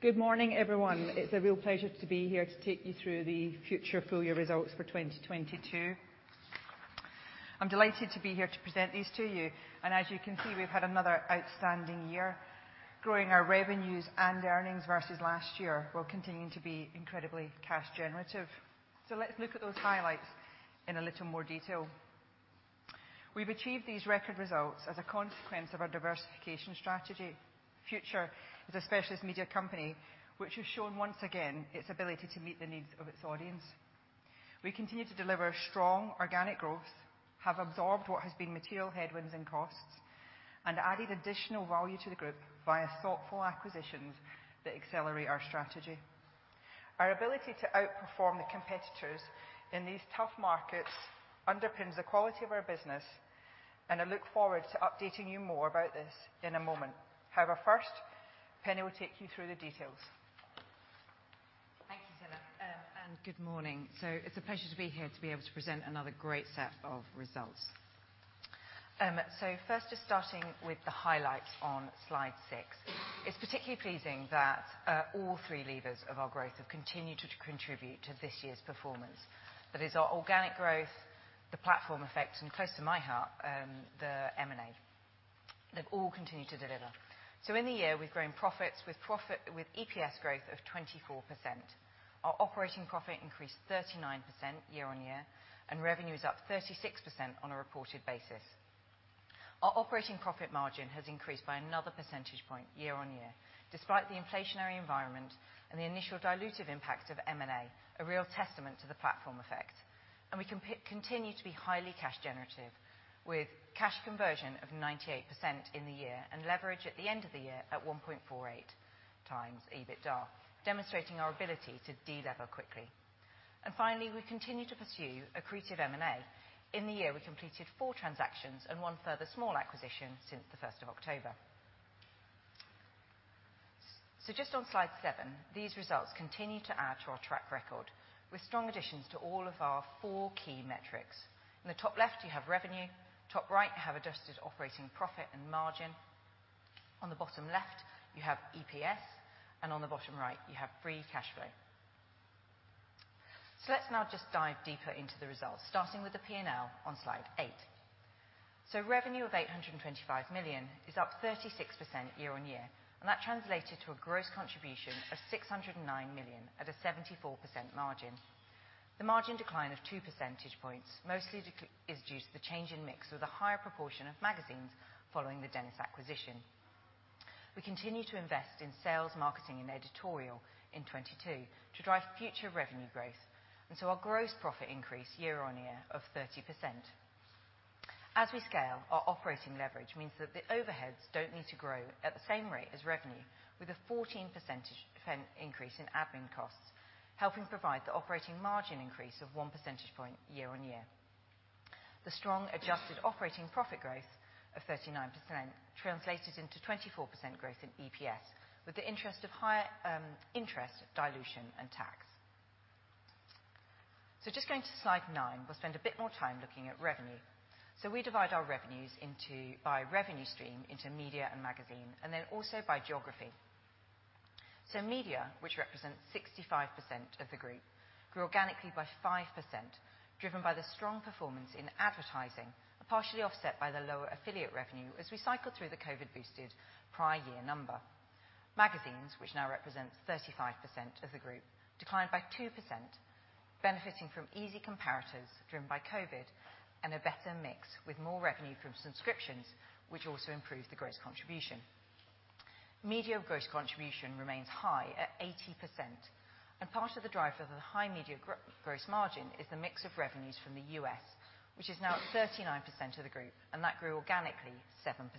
Good morning, everyone. It's a real pleasure to be here to take you through the Future full year results for 2022. I'm delighted to be here to present these to you. As you can see, we've had another outstanding year, growing our revenues and earnings versus last year, while continuing to be incredibly cash generative. Let's look at those highlights in a little more detail. We've achieved these record results as a consequence of our diversification strategy. Future is a specialist media company which has shown once again its ability to meet the needs of its audience. We continue to deliver strong organic growth, have absorbed what has been material headwinds and costs, and added additional value to the group via thoughtful acquisitions that accelerate our strategy. Our ability to outperform the competitors in these tough markets underpins the quality of our business, and I look forward to updating you more about this in a moment. First, Penny will take you through the details. Thank you, Zillah. Good morning. It's a pleasure to be here to be able to present another great set of results. First just starting with the highlights on Slide 6. It's particularly pleasing that all three levers of our growth have continued to contribute to this year's performance. That is our organic growth, the platform effect, and close to my heart, the M&A. They've all continued to deliver. In the year, we've grown profits with profit, with EPS growth of 24%. Our operating profit increased 39% year-on-year, and revenue is up 36% on a reported basis. Our operating profit margin has increased by another percentage point year-on-year despite the inflationary environment and the initial dilutive impact of M&A, a real testament to the platform effect. We continue to be highly cash generative with cash conversion of 98% in the year and leverage at the end of the year at 1.48x EBITDA, demonstrating our ability to delever quickly. Finally, we continue to pursue accretive M&A. In the year, we completed four transactions and one further small acquisition since the 1st of October. Just on Slide seven, these results continue to add to our track record with strong additions to all of our four key metrics. In the top left, you have revenue. Top right, you have adjusted operating profit and margin. On the bottom left, you have EPS, and on the bottom right, you have free cash flow. Let's now just dive deeper into the results, starting with the P&L on Slide eight. Revenue of 825 million is up 36% year-on-year, and that translated to a gross contribution of 609 million at a 74% margin. The margin decline of 2 percentage points mostly is due to the change in mix with a higher proportion of magazines following the Dennis acquisition. We continued to invest in sales, marketing, and editorial in 2022 to drive future revenue growth. Our gross profit increased year-on-year of 30%. As we scale, our operating leverage means that the overheads don't need to grow at the same rate as revenue with a 14% increase in admin costs, helping provide the operating margin increase of 1 percentage point year-on-year. The strong adjusted operating profit growth of 39% translated into 24% growth in EPS with the interest of higher interest dilution and tax. Just going to Slide nine, we'll spend a bit more time looking at revenue. We divide our revenues into, by revenue stream into media and magazine, and then also by geography. Media, which represents 65% of the group, grew organically by 5%, driven by the strong performance in advertising, but partially offset by the lower affiliate revenue as we cycle through the COVID-boosted prior year number. Magazines, which now represents 35% of the group, declined by 2%, benefiting from easy comparators driven by COVID and a better mix with more revenue from subscriptions, which also improved the gross contribution. Media gross contribution remains high at 80%, and part of the driver for the high media gross margin is the mix of revenues from the U.S., which is now 39% of the group, and that grew organically 7%.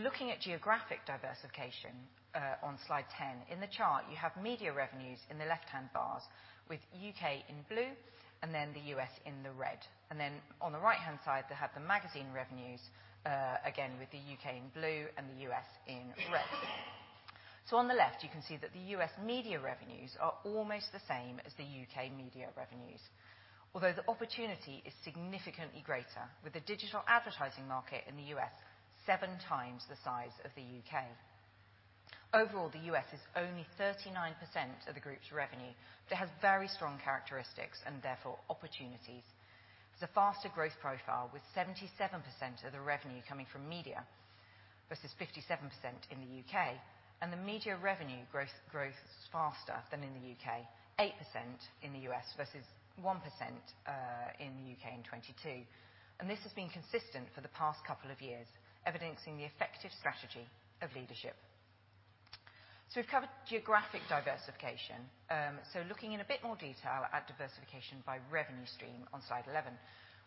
Looking at geographic diversification, on Slide 10. In the chart, you have media revenues in the left-hand bars with U.K. In blue and then the U.S. in the red. On the right-hand side, they have the magazine revenues, again, with the U.K. in blue and the U.S., In red. On the left, you can see that the U.S. media revenues are almost the same as the UK media revenues. Although the opportunity is significantly greater with the digital advertising market in the U.S. 7x the size of the U.K. Overall, the U.S. Is only 39% of the group's revenue. They have very strong characteristics and therefore opportunities. There's a faster growth profile with 77% of the revenue coming from media versus 57% in the U.K. The media revenue growth, grows faster than in the U.K., 8% in the U.S. versus 1% in the U.K. in 2022. This has been consistent for the past couple of years, evidencing the effective strategy of leadership. Looking in a bit more detail at diversification by revenue stream on Slide 11.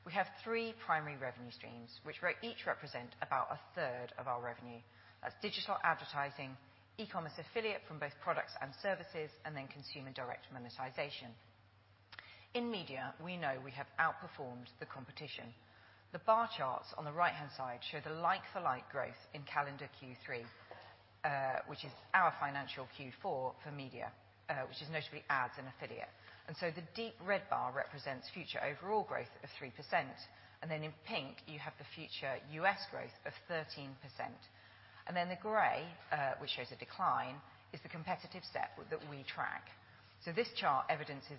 We have three primary revenue streams, which very each represent about a third of our revenue. That's digital advertising, e-commerce affiliate from both products and services, and then consumer direct monetization. In media, we know we have outperformed the competition. The bar charts on the right-hand side show the like-for-like growth in calendar Q3, which is our financial Q4 for media, which is notably ads and affiliate. The deep red bar represents Future overall growth of 3%. In pink, you have the Future U.S. growth of 13%. The gray, which shows a decline, is the competitive set that we track. This chart evidences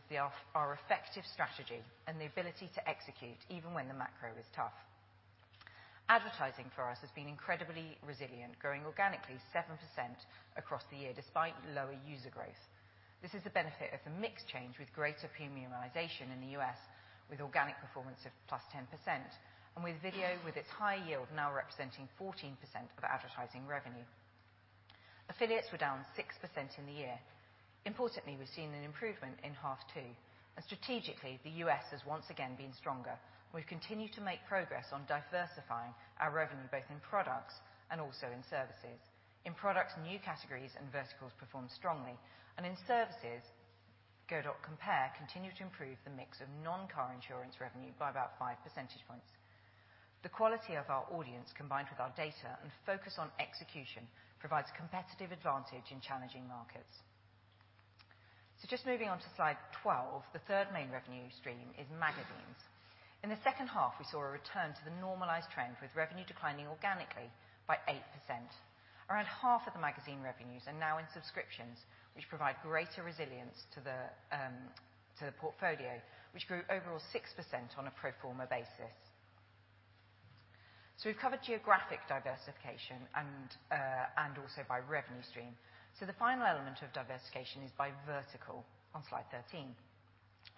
our effective strategy and the ability to execute even when the macro is tough. Advertising for us has been incredibly resilient, growing organically 7% across the year, despite lower user growth. This is the benefit of the mix change with greater premiumization in the U.S., with organic performance of +10%. With video, with its high yield now representing 14% of advertising revenue. Affiliates were down 6% in the year. Importantly, we've seen an improvement in half two. Strategically, the U.S. has once again been stronger. We've continued to make progress on diversifying our revenue, both in products and also in services. In products, new categories and verticals performed strongly. In services, Go.Compare continued to improve the mix of non-car insurance revenue by about 5 percentage points. The quality of our audience, combined with our data and focus on execution, provides competitive advantage in challenging markets. Just moving on to slide 12. The third main revenue stream is magazines. In the second half, we saw a return to the normalized trend with revenue declining organically by 8%. Around half of the magazine revenues are now in subscriptions which provide greater resilience to the portfolio, which grew overall 6% on a pro forma basis. We've covered geographic diversification and also by revenue stream. The final element of diversification is by vertical on slide 13.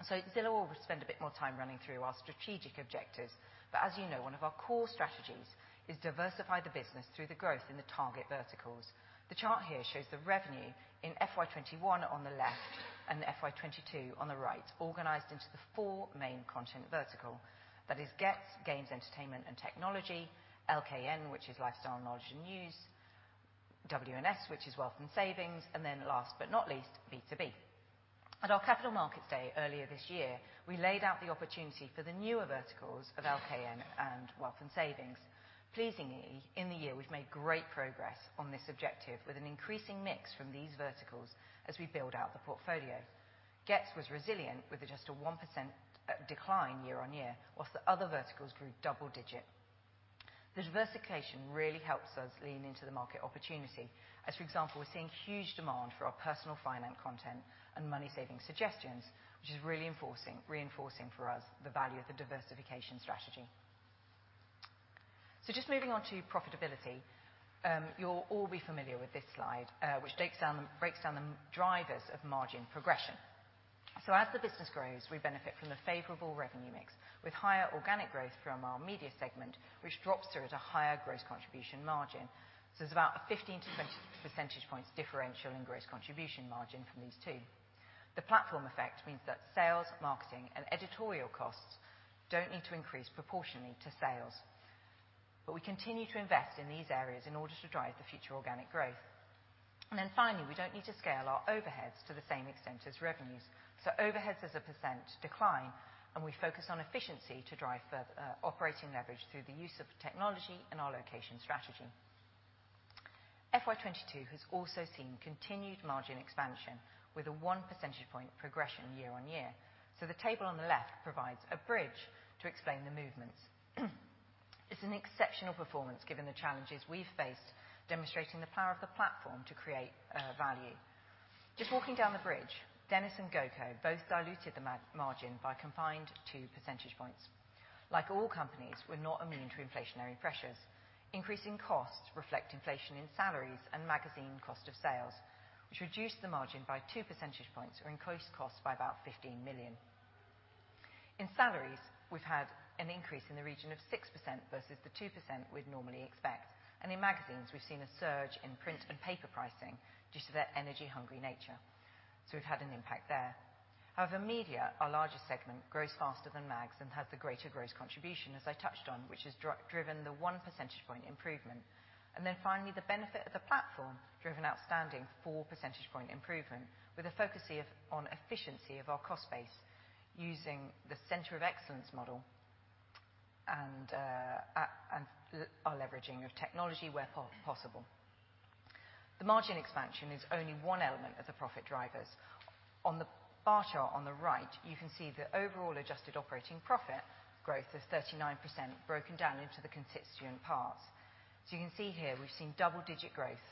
Zillah will spend a bit more time running through our strategic objectives. As you know, one of our core strategies is diversify the business through the growth in the target verticals. The chart here shows the revenue in FY 2021 on the left and FY 2022 on the right, organized into the four main content vertical. That is GETS, Gains, Entertainment, and Technology, LKN, which is Lifestyle, Knowledge, and News, WNS, which is Wealth and Savings, and then last but not least, B2B. At our Capital Markets Day earlier this year, we laid out the opportunity for the newer verticals of LKN and Wealth and Savings. Pleasingly, in the year, we've made great progress on this objective with an increasing mix from these verticals as we build out the portfolio. GETS was resilient with just a 1% decline year-on-year, whilst the other verticals grew double digit. The diversification really helps us lean into the market opportunity as, for example, we're seeing huge demand for our personal finance content and money-saving suggestions, which is really enforcing, reinforcing for us the value of the diversification strategy. Just moving on to profitability. You'll all be familiar with this slide, which breaks down the drivers of margin progression. As the business grows, we benefit from the favorable revenue mix with higher organic growth from our media segment, which drops through at a higher growth contribution margin. It's about a 15-20 percentage points differential in gross contribution margin from these two. The platform effect means that sales, marketing, and editorial costs don't need to increase proportionally to sales. We continue to invest in these areas in order to drive the future organic growth. Finally, we don't need to scale our overheads to the same extent as revenues. Overheads as a percent decline, and we focus on efficiency to drive operating leverage through the use of technology and our location strategy. FY 2022 has also seen continued margin expansion with a 1 percentage point progression year-on-year. The table on the left provides a bridge to explain the movements. It's an exceptional performance, given the challenges we've faced, demonstrating the power of the platform to create value. Just walking down the bridge, Dennis and GoCo both diluted the margin by combined 2 percentage points. Like all companies, we're not immune to inflationary pressures. Increasing costs reflect inflation in salaries and magazine cost of sales, which reduced the margin by 2 percentage points or increased costs by about 15 million. In salaries, we've had an increase in the region of 6% versus the 2% we'd normally expect. In magazines, we've seen a surge in print and paper pricing due to their energy-hungry nature. We've had an impact there. However, media, our largest segment, grows faster than mags and has the greater gross contribution, as I touched on, which has driven the 1 percentage point improvement. Finally, the benefit of the platform drove an outstanding 4 percentage point improvement with a focus here on efficiency of our cost base using the center of excellence model and leveraging of technology where possible. The margin expansion is only one element of the profit drivers. On the bar chart on the right, you can see the overall adjusted operating profit growth of 39% broken down into the constituent parts. You can see here, we've seen double-digit growth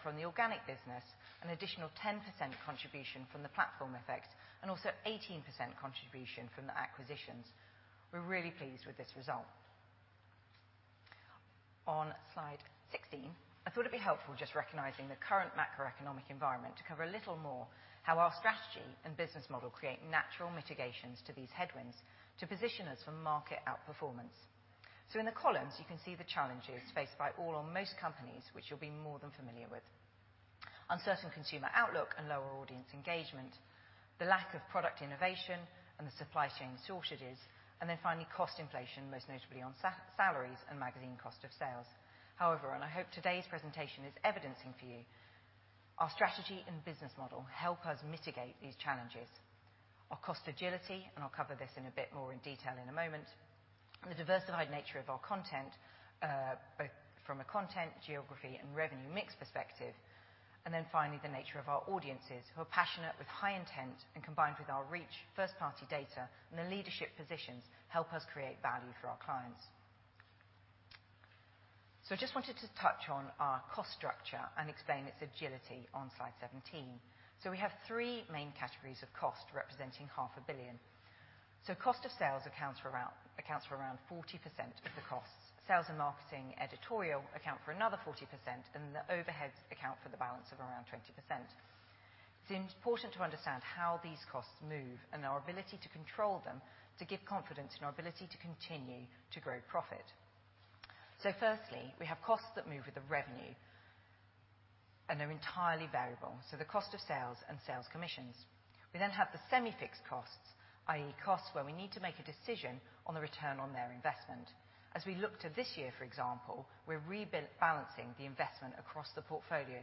from the organic business, an additional 10% contribution from the platform effects, and also 18% contribution from the acquisitions. We're really pleased with this result. On slide 16, I thought it'd be helpful just recognizing the current macroeconomic environment to cover a little more how our strategy and business model create natural mitigations to these headwinds to position us for market outperformance. In the columns, you can see the challenges faced by all or most companies, which you'll be more than familiar with. Uncertain consumer outlook and lower audience engagement, the lack of product innovation and the supply chain shortages, and then finally, cost inflation, most notably on salaries and magazine cost of sales. However, and I hope today's presentation is evidencing for you, our strategy and business model help us mitigate these challenges. Our cost agility, and I'll cover this in a bit more detail in a moment, and the diversified nature of our content, both from a content, geography, and revenue mix perspective. Finally, the nature of our audiences, who are passionate with high intent, and combined with our reach, first-party data, and the leadership positions, help us create value for our clients. Just wanted to touch on our cost structure and explain its agility on slide 17. We have three main categories of cost, representing GBP half a billion. Cost of sales accounts for around 40% of the costs. Sales and marketing, editorial account for another 40%, the overheads account for the balance of around 20%. It's important to understand how these costs move and our ability to control them, to give confidence in our ability to continue to grow profit. Firstly, we have costs that move with the revenue and are entirely variable, so the cost of sales and sales commissions. We have the semi-fixed costs, i.e. costs where we need to make a decision on the return on their investment. As we look to this year, for example, we're rebalancing the investment across the portfolio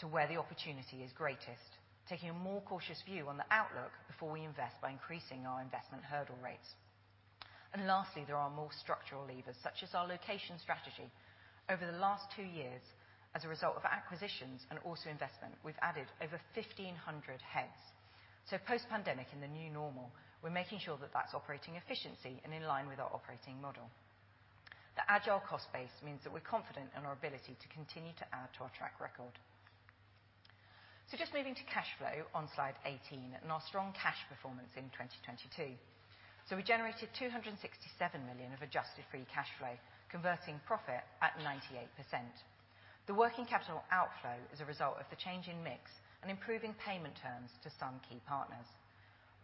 to where the opportunity is greatest, taking a more cautious view on the outlook before we invest by increasing our investment hurdle rates. Lastly, there are more structural levers, such as our location strategy. Over the last two years, as a result of acquisitions and also investment, we've added over 1,500 heads. Post-pandemic in the new normal, we're making sure that that's operating efficiency and in line with our operating model. The agile cost base means that we're confident in our ability to continue to add to our track record. Just moving to cash flow on slide 18 and our strong cash performance in 2022. We generated 267 million of adjusted free cash flow, converting profit at 98%. The working capital outflow is a result of the change in mix and improving payment terms to some key partners.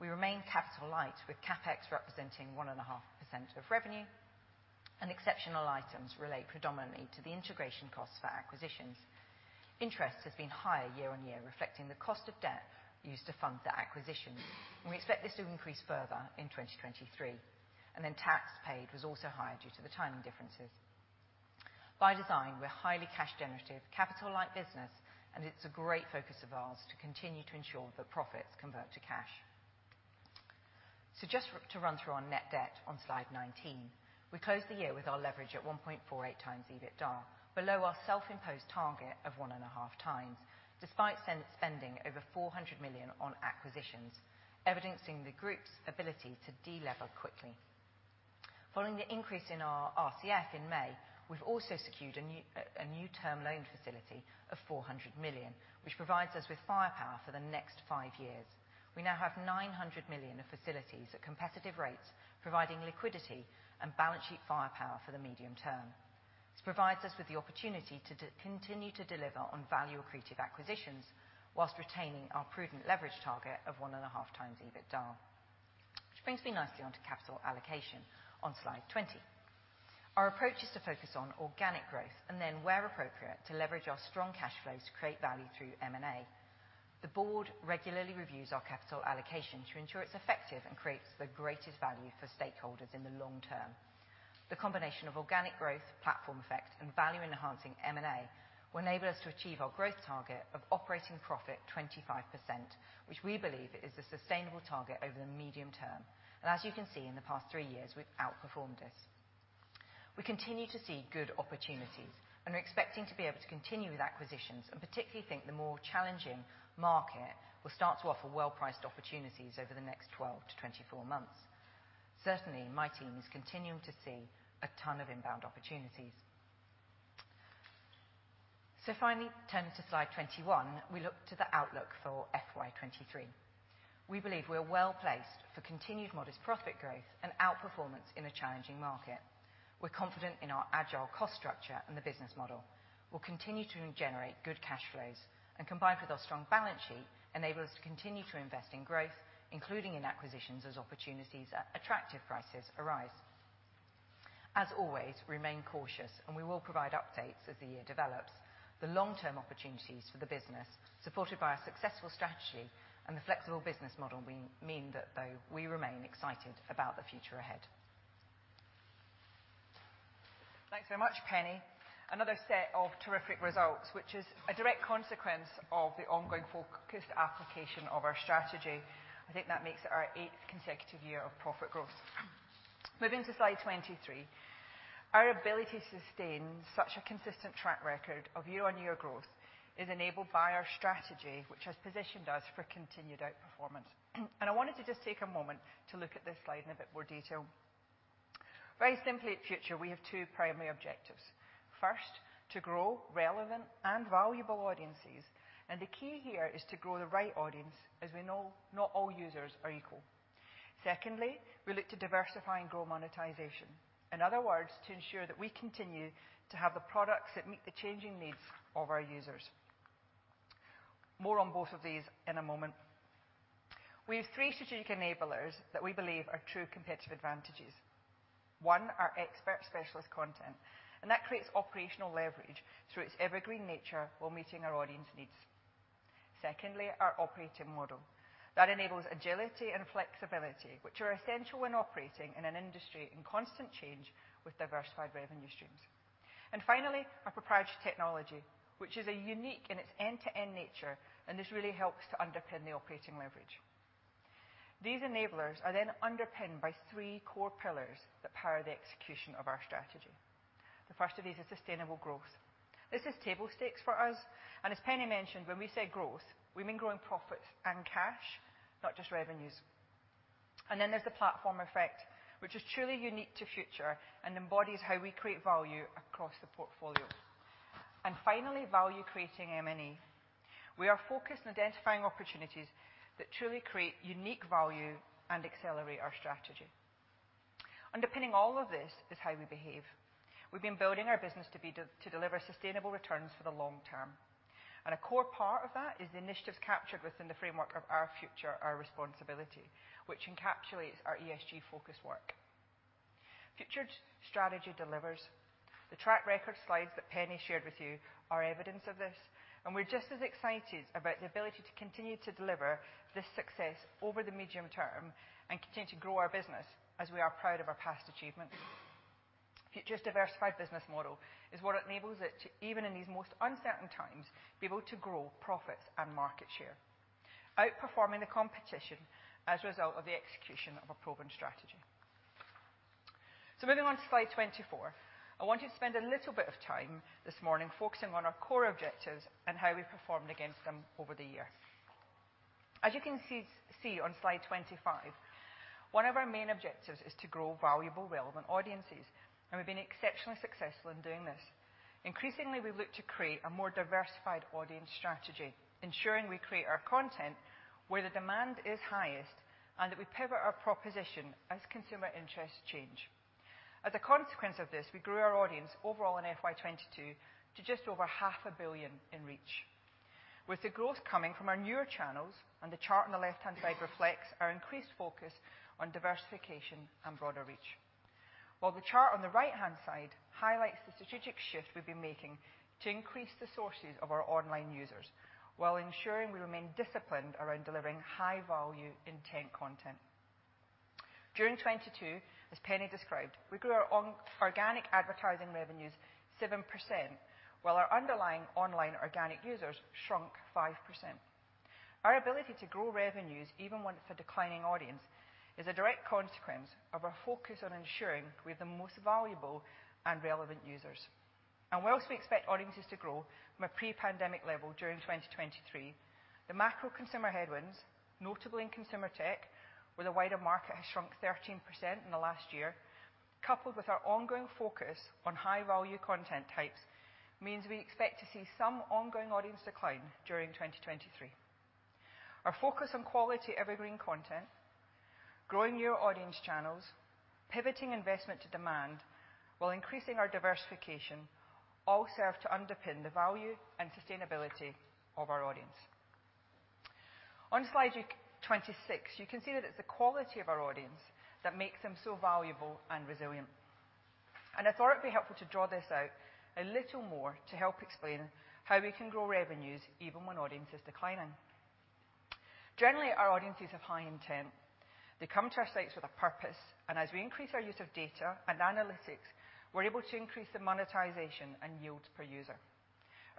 We remain capital light with CapEx representing 1.5% of revenue, and exceptional items relate predominantly to the integration costs for acquisitions. Interest has been higher year-on-year, reflecting the cost of debt used to fund the acquisitions. We expect this to increase further in 2023. Tax paid was also higher due to the timing differences. By design, we're highly cash generative, capital light business, and it's a great focus of ours to continue to ensure that profits convert to cash. Just to run through our net debt on slide 19. We closed the year with our leverage at 1.48x EBITDA, below our self-imposed target of 1.5x, despite spending over 400 million on acquisitions, evidencing the group's ability to de-lever quickly. Following the increase in our RCF in May, we've also secured a new term loan facility of 400 million, which provides us with firepower for the next five years. We now have 900 million of facilities at competitive rates, providing liquidity and balance sheet firepower for the medium term. This provides us with the opportunity to continue to deliver on value-accretive acquisitions whilst retaining our prudent leverage target of 1.5x EBITDA. Which brings me nicely onto capital allocation on slide 20. Our approach is to focus on organic growth and then where appropriate, to leverage our strong cash flows to create value through M&A. The board regularly reviews our capital allocation to ensure it's effective and creates the greatest value for stakeholders in the long term. The combination of organic growth, platform effect, and value-enhancing M&A will enable us to achieve our growth target of operating profit 25%, which we believe is a sustainable target over the medium term. As you can see, in the past three years, we've outperformed it. We continue to see good opportunities, and we're expecting to be able to continue with acquisitions, and particularly think the more challenging market will start to offer well-priced opportunities over the next 12-24 months. Certainly, my team is continuing to see a ton of inbound opportunities. Finally, turning to slide 21, we look to the outlook for FY 2023. We believe we are well-placed for continued modest profit growth and outperformance in a challenging market. We're confident in our agile cost structure and the business model. We'll continue to generate good cash flows, and combined with our strong balance sheet, enable us to continue to invest in growth, including in acquisitions as opportunities at attractive prices arise. As always, remain cautious. We will provide updates as the year develops. The long-term opportunities for the business, supported by our successful strategy and the flexible business model mean that though we remain excited about the future ahead. Thanks very much, Penny. Another set of terrific results, which is a direct consequence of the ongoing focused application of our strategy. I think that makes it our eighth consecutive year of profit growth. Moving to slide 23. Our ability to sustain such a consistent track record of year-on-year growth is enabled by our strategy, which has positioned us for continued outperformance. I wanted to just take a moment to look at this slide in a bit more detail. Very simply, at Future, we have two primary objectives. First, to grow relevant and valuable audiences. The key here is to grow the right audience, as we know not all users are equal. Secondly, we look to diversify and grow monetization. In other words, to ensure that we continue to have the products that meet the changing needs of our users. More on both of these in a moment. We have three strategic enablers that we believe are true competitive advantages. One, our expert specialist content. That creates operational leverage through its evergreen nature while meeting our audience needs. Secondly, our operating model. That enables agility and flexibility, which are essential when operating in an industry in constant change with diversified revenue streams. Finally, our proprietary technology, which is a unique in its end-to-end nature. This really helps to underpin the operating leverage. These enablers are then underpinned by three core pillars that power the execution of our strategy. The first of these is sustainable growth. This is table stakes for us. As Penny mentioned, when we say growth, we mean growing profit and cash, not just revenues. Then there's the platform effect, which is truly unique to Future and embodies how we create value across the portfolio. Finally, value creating M&A. We are focused on identifying opportunities that truly create unique value and accelerate our strategy. Underpinning all of this is how we behave. We've been building our business to deliver sustainable returns for the long term. A core part of that is the initiatives captured within the framework of Our Future, Our Responsibility, which encapsulates our ESG focus work. Future's strategy delivers. The track record slides that Penny shared with you are evidence of this, and we're just as excited about the ability to continue to deliver this success over the medium term and continue to grow our business as we are proud of our past achievements. Future's diversified business model is what enables it to, even in these most uncertain times, be able to grow profits and market share, outperforming the competition as a result of the execution of a proven strategy. Moving on to slide 24, I wanted to spend a little bit of time this morning focusing on our core objectives and how we've performed against them over the year. As you can see on slide 25, one of our main objectives is to grow valuable, relevant audiences, and we've been exceptionally successful in doing this. Increasingly, we've looked to create a more diversified audience strategy, ensuring we create our content where the demand is highest and that we pivot our proposition as consumer interests change. As a consequence of this, we grew our audience overall in FY 2022 to just over 0.5 billion in reach. With the growth coming from our newer channels, and the chart on the left-hand side reflects our increased focus on diversification and broader reach, while the chart on the right-hand side highlights the strategic shift we've been making to increase the sources of our online users while ensuring we remain disciplined around delivering high-value intent content. During 2022, as Penny described, we grew our on-organic advertising revenues 7%, while our underlying online organic users shrunk 5%. Our ability to grow revenues, even when it's a declining audience, is a direct consequence of our focus on ensuring we have the most valuable and relevant users. Whilst we expect audiences to grow from a pre-pandemic level during 2023, the macro consumer headwinds, notably in consumer tech, where the wider market has shrunk 13% in the last year, coupled with our ongoing focus on high-value content types, means we expect to see some ongoing audience decline during 2023. Our focus on quality evergreen content, growing newer audience channels, pivoting investment to demand while increasing our diversification all serve to underpin the value and sustainability of our audience. On slide 26, you can see that it's the quality of our audience that makes them so valuable and resilient. I thought it'd be helpful to draw this out a little more to help explain how we can grow revenues even when audience is declining. Generally, our audiences have high intent. They come to our sites with a purpose, and as we increase our use of data and analytics, we're able to increase the monetization and yields per user.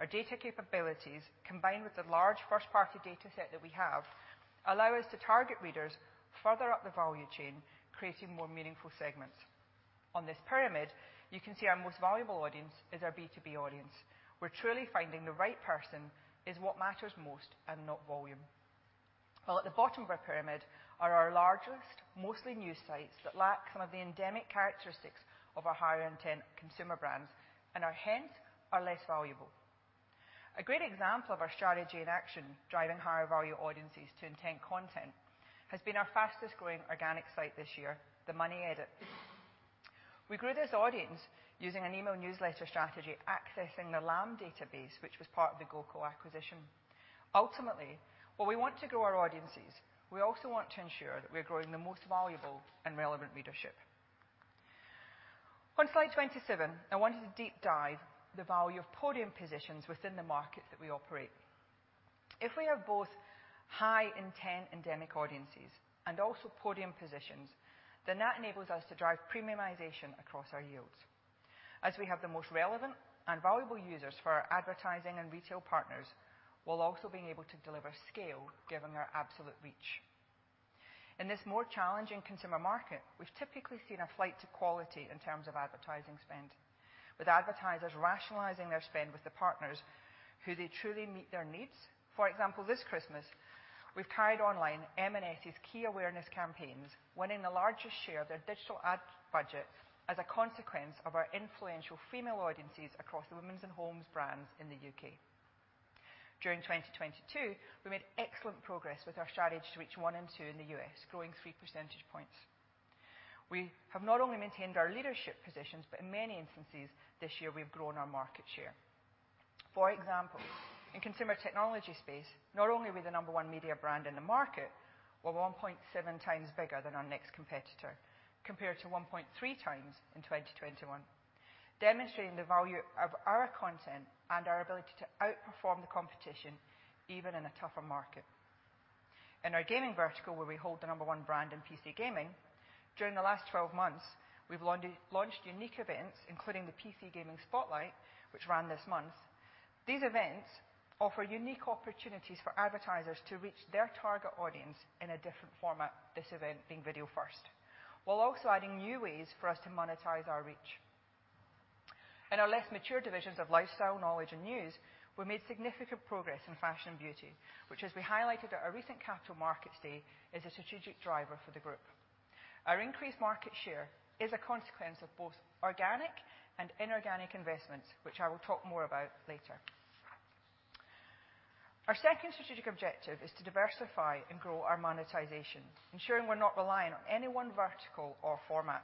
Our data capabilities, combined with the large first-party data set that we have, allow us to target readers further up the value chain, creating more meaningful segments. On this pyramid, you can see our most valuable audience is our B2B audience, where truly finding the right person is what matters most and not volume. While at the bottom of our pyramid are our largest, mostly news sites that lack some of the endemic characteristics of our higher intent consumer brands, and are hence are less valuable. A great example of our strategy in action, driving higher value audiences to intent content, has been our fastest growing organic site this year, The Money Edit. We grew this audience using an email newsletter strategy, accessing the LAMB database, which was part of the GoCo acquisition. Ultimately, while we want to grow our audiences, we also want to ensure that we are growing the most valuable and relevant readership. On slide 27, I wanted to deep dive the value of podium positions within the markets that we operate. If we have both high intent endemic audiences and also podium positions, then that enables us to drive premiumization across our yields, as we have the most relevant and valuable users for our advertising and retail partners, while also being able to deliver scale given our absolute reach. In this more challenging consumer market, we've typically seen a flight to quality in terms of advertising spend, with advertisers rationalizing their spend with the partners who they truly meet their needs. For example, this Christmas, we've carried online M&S's key awareness campaigns, winning the largest share of their digital ad budget as a consequence of our influential female audiences across the women's and homes brands in the U.K. During 2022, we made excellent progress with our strategy to reach one and two in the U.S., growing 3 percentage points. We have not only maintained our leadership positions, but in many instances this year, we've grown our market share. For example, in consumer technology space, not only are we the number one media brand in the market. We're 1.7x bigger than our next competitor, compared to 1.3x in 2021, demonstrating the value of our content and our ability to outperform the competition even in a tougher market. In our gaming vertical, where we hold the number one brand in PC gaming, during the last 12 months, we've launched unique events, including the PC gaming spotlight, which ran this month. These events offer unique opportunities for advertisers to reach their target audience in a different format, this event being video first, while also adding new ways for us to monetize our reach. In our less mature divisions of lifestyle, knowledge, and news, we made significant progress in fashion and beauty, which, as we highlighted at our recent Capital Markets Day, is a strategic driver for the group. Our increased market share is a consequence of both organic and inorganic investments, which I will talk more about later. Our second strategic objective is to diversify and grow our monetization, ensuring we're not relying on any one vertical or format,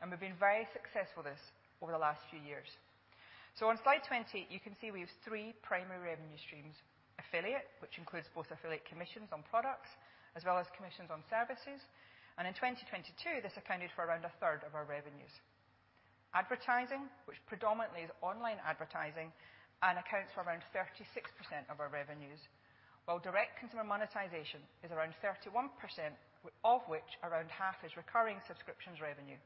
and we've been very successful at this over the last few years. On slide 20, you can see we have three primary revenue streams. Affiliate, which includes both affiliate commissions on products as well as commissions on services, and in 2022, this accounted for around a third of our revenues. Advertising, which predominantly is online advertising and accounts for around 36% of our revenues, while direct consumer monetization is around 31%, of which around half is recurring subscriptions revenue.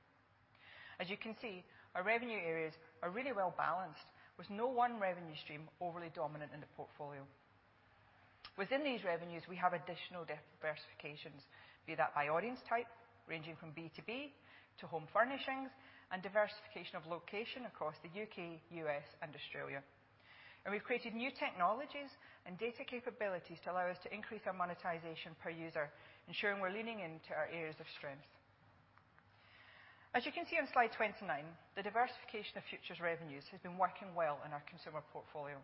As you can see, our revenue areas are really well-balanced, with no one revenue stream overly dominant in the portfolio. Within these revenues, we have additional diversifications, be that by audience type, ranging from B2B to home furnishings and diversification of location across the U.K., US, and Australia. We've created new technologies and data capabilities to allow us to increase our monetization per user, ensuring we're leaning into our areas of strength. As you can see on slide 29, the diversification of Future's revenues has been working well in our consumer portfolio.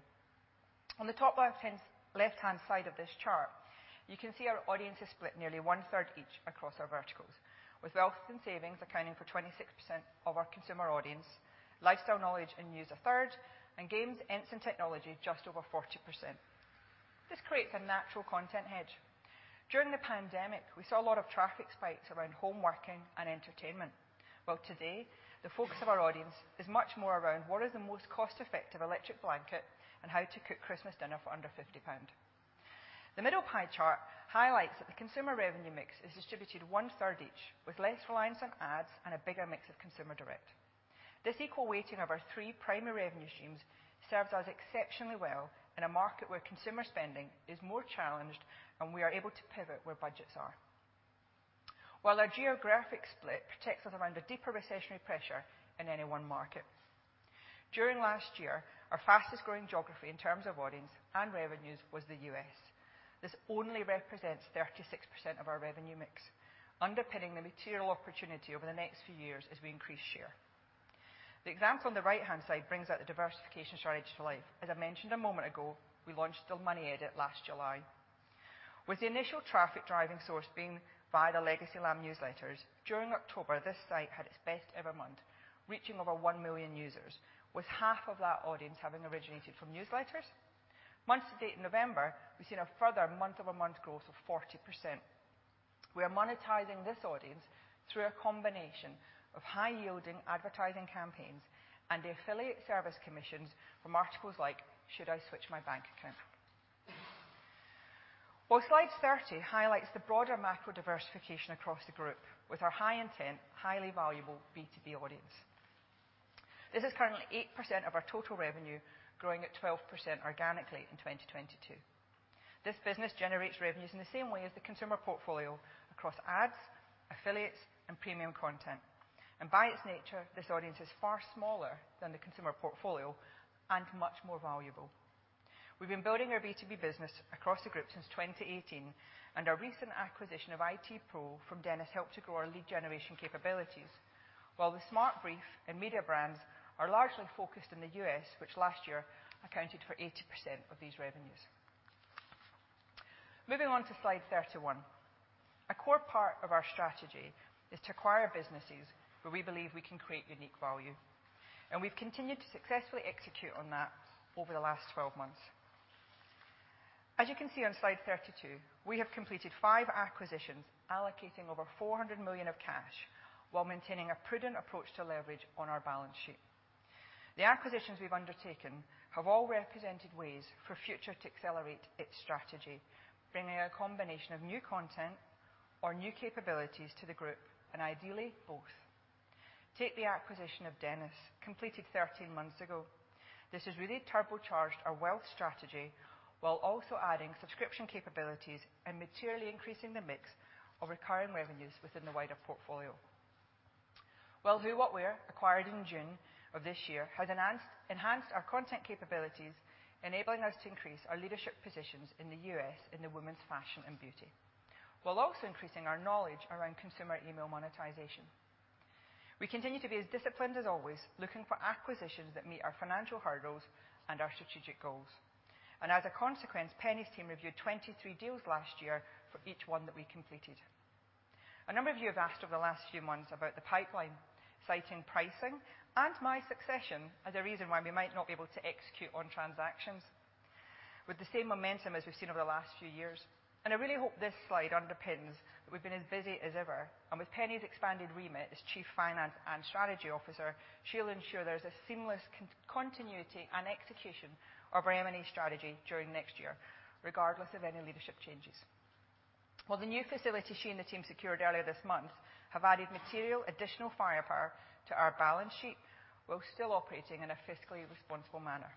On the top left-hand side of this chart, you can see our audience is split nearly 1/3 each across our verticals, with wealth and savings accounting for 26% of our consumer audience, lifestyle, knowledge, and news 1/3, and games, ents, and technology just over 40%. This creates a natural content hedge. During the pandemic, we saw a lot of traffic spikes around home working and entertainment. Well, today the focus of our audience is much more around what is the most cost-effective electric blanket and how to cook Christmas dinner for under 50 pound. The middle pie chart highlights that the consumer revenue mix is distributed 1/3 each, with less reliance on ads and a bigger mix of consumer direct. This equal weighting of our three primary revenue streams serves us exceptionally well in a market where consumer spending is more challenged, and we are able to pivot where budgets are. While our geographic split protects us around a deeper recessionary pressure in any one market. During last year, our fastest-growing geography in terms of audience and revenues was the U.S. This only represents 36% of our revenue mix, underpinning the material opportunity over the next few years as we increase share. The example on the right-hand side brings out the diversification strategy to life. As I mentioned a moment ago, we launched The Money Edit last July. With the initial traffic driving source being via the legacy LAM newsletters, during October, this site had its best ever month, reaching over 1 million users, with half of that audience having originated from newsletters. Month to date in November, we've seen a further month-over-month growth of 40%. We are monetizing this audience through a combination of high-yielding advertising campaigns and the affiliate service commissions from articles like, Should I Switch My Bank Account? Well, slide 30 highlights the broader macro diversification across the group with our high intent, highly valuable B2B audience. This is currently 8% of our total revenue, growing at 12% organically in 2022. This business generates revenues in the same way as the consumer portfolio across ads, affiliates, and premium content. By its nature, this audience is far smaller than the consumer portfolio and much more valuable. We've been building our B2B business across the group since 2018, and our recent acquisition of IT Pro from Dennis helped to grow our lead generation capabilities. While the SmartBrief and media brands are largely focused in the U.S., which last year accounted for 80% of these revenues. Moving on to Slide 31. A core part of our strategy is to acquire businesses where we believe we can create unique value, and we've continued to successfully execute on that over the last 12 months. As you can see on Slide 32, we have completed 5 acquisitions, allocating over 400 million of cash while maintaining a prudent approach to leverage on our balance sheet. The acquisitions we've undertaken have all represented ways for Future to accelerate its strategy, bringing a combination of new content or new capabilities to the group, and ideally, both. Take the acquisition of Dennis, completed 13 months ago. This has really turbocharged our wealth strategy while also adding subscription capabilities and materially increasing the mix of recurring revenues within the wider portfolio. While Who What Wear, acquired in June of this year, has enhanced our content capabilities, enabling us to increase our leadership positions in the US in the women's fashion and beauty, while also increasing our knowledge around consumer email monetization. We continue to be as disciplined as always, looking for acquisitions that meet our financial hurdles and our strategic goals. As a consequence, Penny's team reviewed 23 deals last year for each one that we completed. A number of you have asked over the last few months about the pipeline, citing pricing and my succession as a reason why we might not be able to execute on transactions with the same momentum as we've seen over the last few years. I really hope this slide underpins that we've been as busy as ever. With Penny's expanded remit as Chief Finance and Strategy Officer, she'll ensure there's a seamless continuity and execution of our M&A strategy during next year, regardless of any leadership changes. While the new facility she and the team secured earlier this month have added material additional firepower to our balance sheet while still operating in a fiscally responsible manner.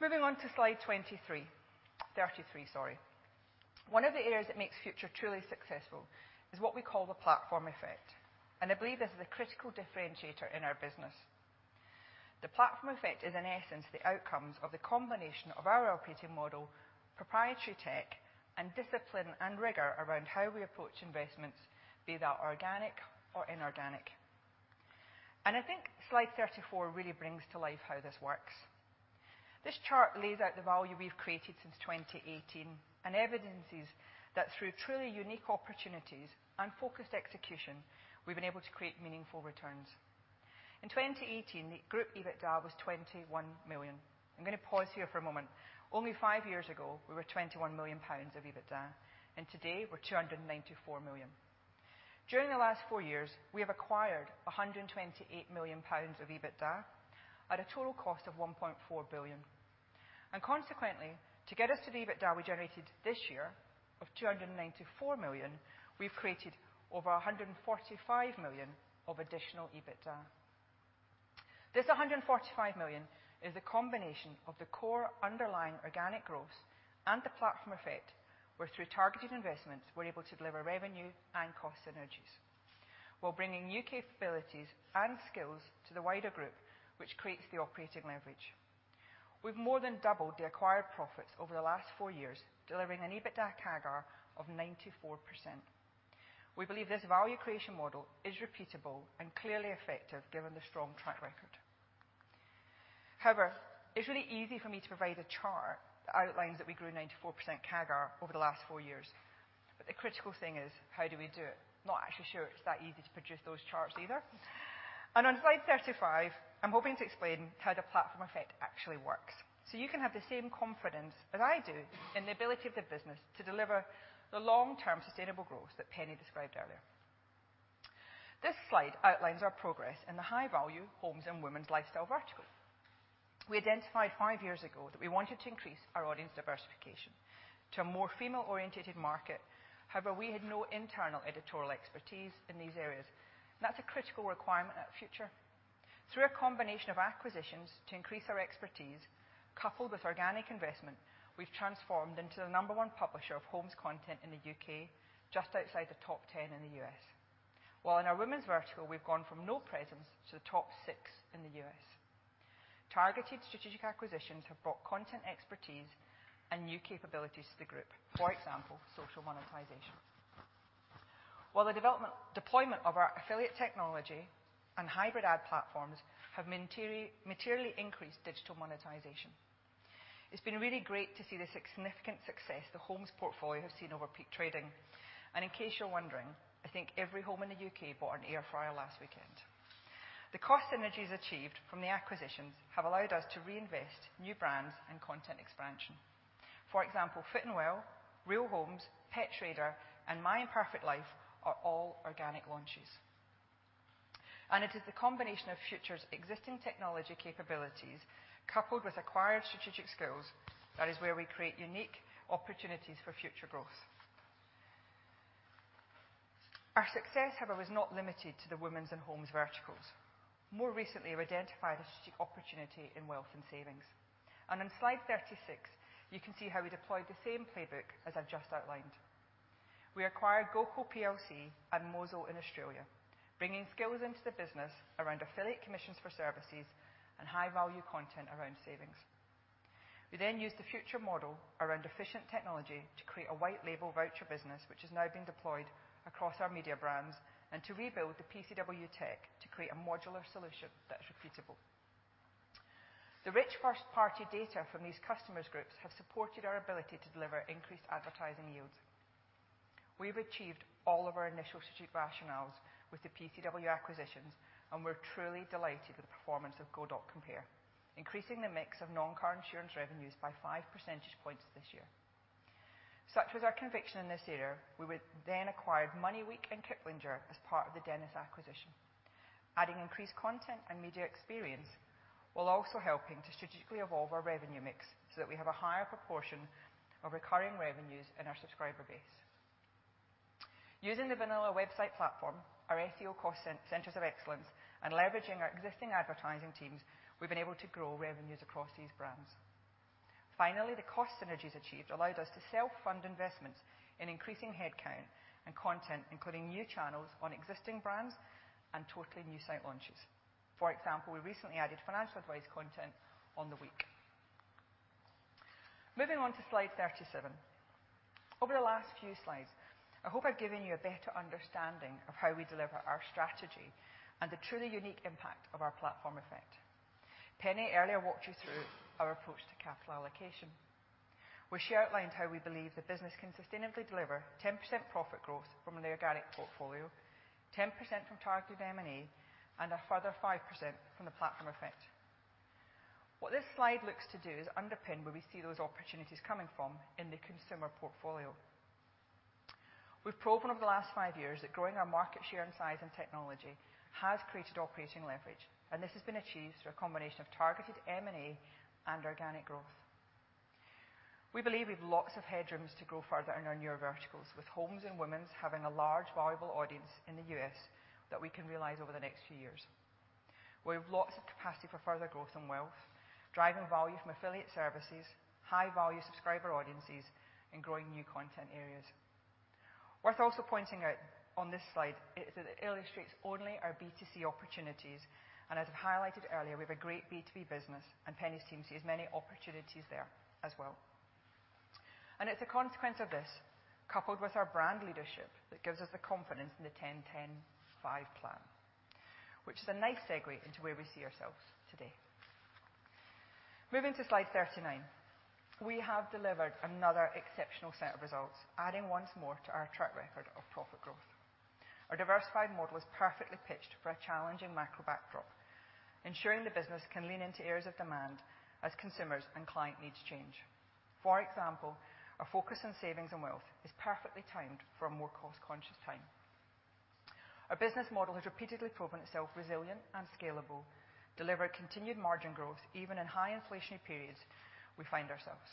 Moving on to Slide 23. 33, sorry. One of the areas that makes Future truly successful is what we call the platform effect. I believe this is a critical differentiator in our business. The platform effect is, in essence, the outcomes of the combination of our LPT model, proprietary tech, and discipline and rigor around how we approach investments, be that organic or inorganic. I think Slide 34 really brings to life how this works. This chart lays out the value we've created since 2018 and evidences that through truly unique opportunities and focused execution, we've been able to create meaningful returns. In 2018, the group EBITDA was 21 million. I'm gonna pause here for a moment. Only five years ago, we were 21 million pounds of EBITDA, and today we're 294 million. During the last four years, we have acquired 128 million pounds of EBITDA at a total cost of 1.4 billion. To get us to the EBITDA we generated this year of 294 million, we've created over 145 million of additional EBITDA. This 145 million is a combination of the core underlying organic growth and the platform effect, where through targeted investments, we're able to deliver revenue and cost synergies while bringing new capabilities and skills to the wider group, which creates the operating leverage. We've more than doubled the acquired profits over the last four years, delivering an EBITDA CAGR of 94%. We believe this value creation model is repeatable and clearly effective given the strong track record. It's really easy for me to provide a chart that outlines that we grew 94% CAGR over the last four years. The critical thing is, how do we do it? Not actually sure it's that easy to produce those charts either. On Slide 35, I'm hoping to explain how the platform effect actually works, so you can have the same confidence as I do in the ability of the business to deliver the long-term sustainable growth that Penny described earlier. This slide outlines our progress in the high-value homes and women's lifestyle vertical. We identified five years ago that we wanted to increase our audience diversification to a more female-orientated market. However, we had no internal editorial expertise in these areas, and that's a critical requirement at Future. Through a combination of acquisitions to increase our expertise coupled with organic investment, we've transformed into the number one publisher of homes content in the U.K., just outside the top 10 in the U.S. While in our women's vertical, we've gone from no presence to the top six in the U.S. Targeted strategic acquisitions have brought content expertise and new capabilities to the group. For example, social monetization. While the deployment of our affiliate technology and hybrid ad platforms have materially increased digital monetization. It's been really great to see the significant success the homes portfolio have seen over peak trading. In case you're wondering, I think every home in the U.K. bought an air fryer last weekend. The cost synergies achieved from the acquisitions have allowed us to reinvest new brands and content expansion. For example, Fit&Well, Real Homes, PetsRadar, and My Imperfect Life are all organic launches. It is the combination of Future's existing technology capabilities coupled with acquired strategic skills, that is where we create unique opportunities for future growth. Our success, however, was not limited to the women's and homes verticals. More recently, we've identified a strategic opportunity in wealth and savings. On Slide 36, you can see how we deployed the same playbook as I've just outlined. We acquired GoCompare PLC and Mozo in Australia, bringing skills into the business around affiliate commissions for services and high-value content around savings. We then used the Future model around efficient technology to create a white label voucher business, which is now being deployed across our media brands, and to rebuild the PCW tech to create a modular solution that's repeatable. The rich first-party data from these customers groups have supported our ability to deliver increased advertising yields. We've achieved all of our initial strategic rationales with the PCW acquisitions. We're truly delighted with the performance of GoCompare, increasing the mix of non-car insurance revenues by five percentage points this year. Such was our conviction in this area, we then acquired MoneyWeek and Kiplinger as part of the Dennis acquisition, adding increased content and media experience, while also helping to strategically evolve our revenue mix so that we have a higher proportion of recurring revenues in our subscriber base. Using the Vanilla website platform, our SEO cost centers of excellence, and leveraging our existing advertising teams, we've been able to grow revenues across these brands. Finally, the cost synergies achieved allowed us to self-fund investments in increasing headcount and content, including new channels on existing brands and totally new site launches. For example, we recently added financial advice content on The Week. Moving on to Slide 37. Over the last few slides, I hope I've given you a better understanding of how we deliver our strategy and the truly unique impact of our platform effect. Penny earlier walked you through our approach to capital allocation, where she outlined how we believe the business can sustainably deliver 10% profit growth from an organic portfolio, 10% from targeted M&A, and a further 5% from the platform effect. What this slide looks to do is underpin where we see those opportunities coming from in the consumer portfolio. We've proven over the last five years that growing our market share and size and technology has created operating leverage, and this has been achieved through a combination of targeted M&A and organic growth. We believe we've lots of headrooms to grow further in our newer verticals with homes and women's having a large, valuable audience in the U.S. that we can realize over the next few years. We have lots of capacity for further growth in wealth, driving value from affiliate services, high-value subscriber audiences, and growing new content areas. Worth also pointing out on this slide is that it illustrates only our B2C opportunities, and as I've highlighted earlier, we have a great B2B business, and Penny's team sees many opportunities there as well. It's a consequence of this, coupled with our brand leadership, that gives us the confidence in the ten/ten/five plan, which is a nice segue into where we see ourselves today. Moving to slide 39. We have delivered another exceptional set of results, adding once more to our track record of profit growth. Our diversified model is perfectly pitched for a challenging macro backdrop, ensuring the business can lean into areas of demand as consumers and client needs change. For example, our focus on savings and wealth is perfectly timed for a more cost-conscious time. Our business model has repeatedly proven itself resilient and scalable, delivered continued margin growth even in high inflationary periods we find ourselves.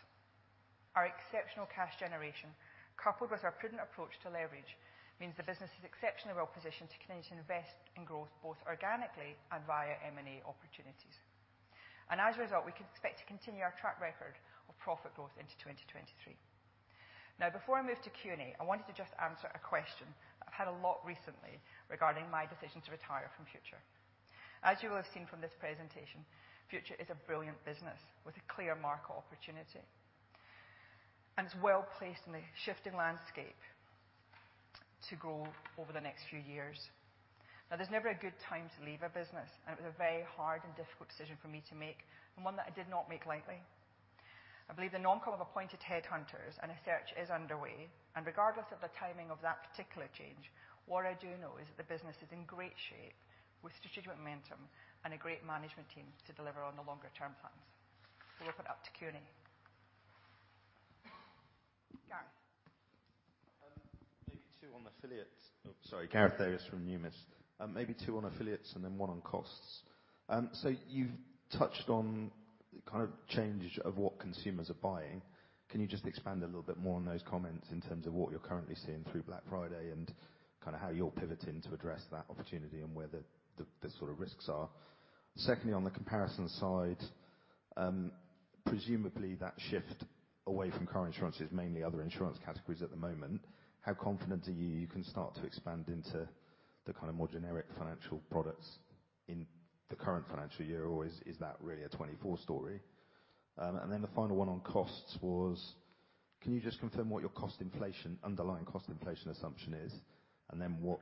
Our exceptional cash generation, coupled with our prudent approach to leverage, means the business is exceptionally well positioned to continue to invest in growth, both organically and via M&A opportunities. As a result, we can expect to continue our track record of profit growth into 2023. Before I move to Q&A, I wanted to just answer a question that I've had a lot recently regarding my decision to retire from Future. As you will have seen from this presentation, Future is a brilliant business with a clear market opportunity, and it's well-placed in the shifting landscape to grow over the next few years. There's never a good time to leave a business, and it was a very hard and difficult decision for me to make, and one that I did not make lightly. I believe the non-call of appointed headhunters and a search is underway, and regardless of the timing of that particular change, what I do know is that the business is in great shape with strategic momentum and a great management team to deliver on the longer-term plans. We'll open up to Q&A. Gareth. Maybe two on affiliates. Oh, sorry. Gareth Davies from Numis. Maybe two on affiliates and then 1 on costs. You've touched on kind of change of what consumers are buying. Can you just expand a little bit more on those comments in terms of what you're currently seeing through Black Friday and kind of how you're pivoting to address that opportunity and where the sort of risks are? Secondly, on the comparison side, presumably that shift away from car insurance is mainly other insurance categories at the moment. How confident are you you can start to expand into the kind of more generic financial products in the current financial year, or is that really a 2024 story? The final one on costs was, can you just confirm what your cost inflation, underlying cost inflation assumption is? And then what...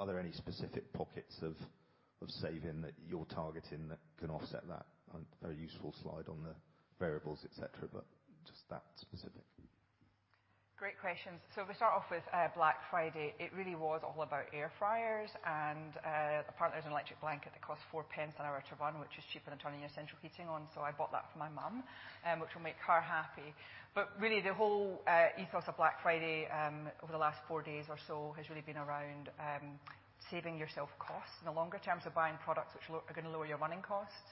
Are there any specific pockets of saving that you're targeting that can offset that on a very useful slide on the variables, et cetera, but just that specific? Great questions. If we start off with Black Friday. It really was all about air fryers and, apparently, there's an electric blanket that costs 4 pence an hour to run, which is cheaper than turning your central heating on. I bought that for my mom, which will make her happy. Really the whole ethos of Black Friday, over the last four days or so has really been around saving yourself costs in the longer terms of buying products which are gonna lower your running costs.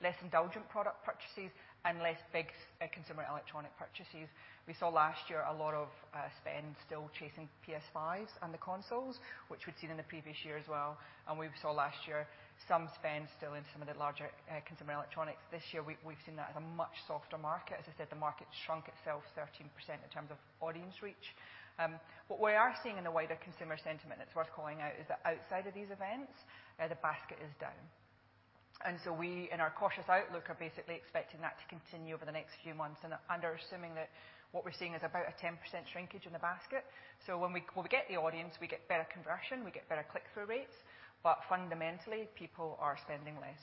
Less indulgent product purchases and less big consumer electronic purchases. We saw last year a lot of spend still chasing PS5s and the consoles, which we'd seen in the previous year as well. We saw last year some spend still in some of the larger consumer electronics. This year, we've seen that as a much softer market. As I said, the market shrunk itself 13% in terms of audience reach. What we are seeing in the wider consumer sentiment that's worth calling out is that outside of these events, the basket is down. We, in our cautious outlook, are basically expecting that to continue over the next few months under assuming that what we're seeing is about a 10% shrinkage in the basket. When we get the audience, we get better conversion, we get better click-through rates. Fundamentally, people are spending less.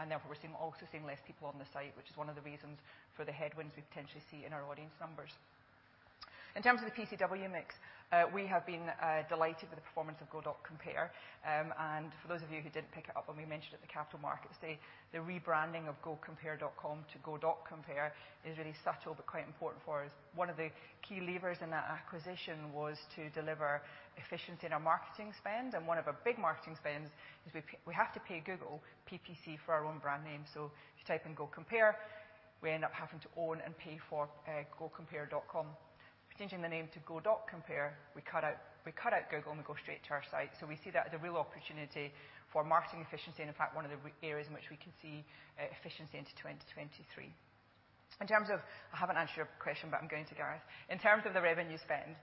And therefore we're also seeing less people on the site, which is one of the reasons for the headwinds we potentially see in our audience numbers. In terms of the PCW mix, we have been delighted with the performance of Go.Compare. For those of you who didn't pick it up when we mentioned at the Capital Markets today, the rebranding of Go.Compare to Go.Compare is really subtle but quite important for us. One of the key levers in that acquisition was to deliver efficiency in our marketing spend, one of our big marketing spends is we have to pay Google PPC for our own brand name. If you type in GoCompare, we end up having to own and pay for Go.Compare. By changing the name to Go.Compare, we cut out Google and we go straight to our site. We see that as a real opportunity for marketing efficiency, and in fact, one of the areas in which we can see efficiency into 2023. I haven't answered your question, but I'm going to, Gareth. In terms of the revenue spend,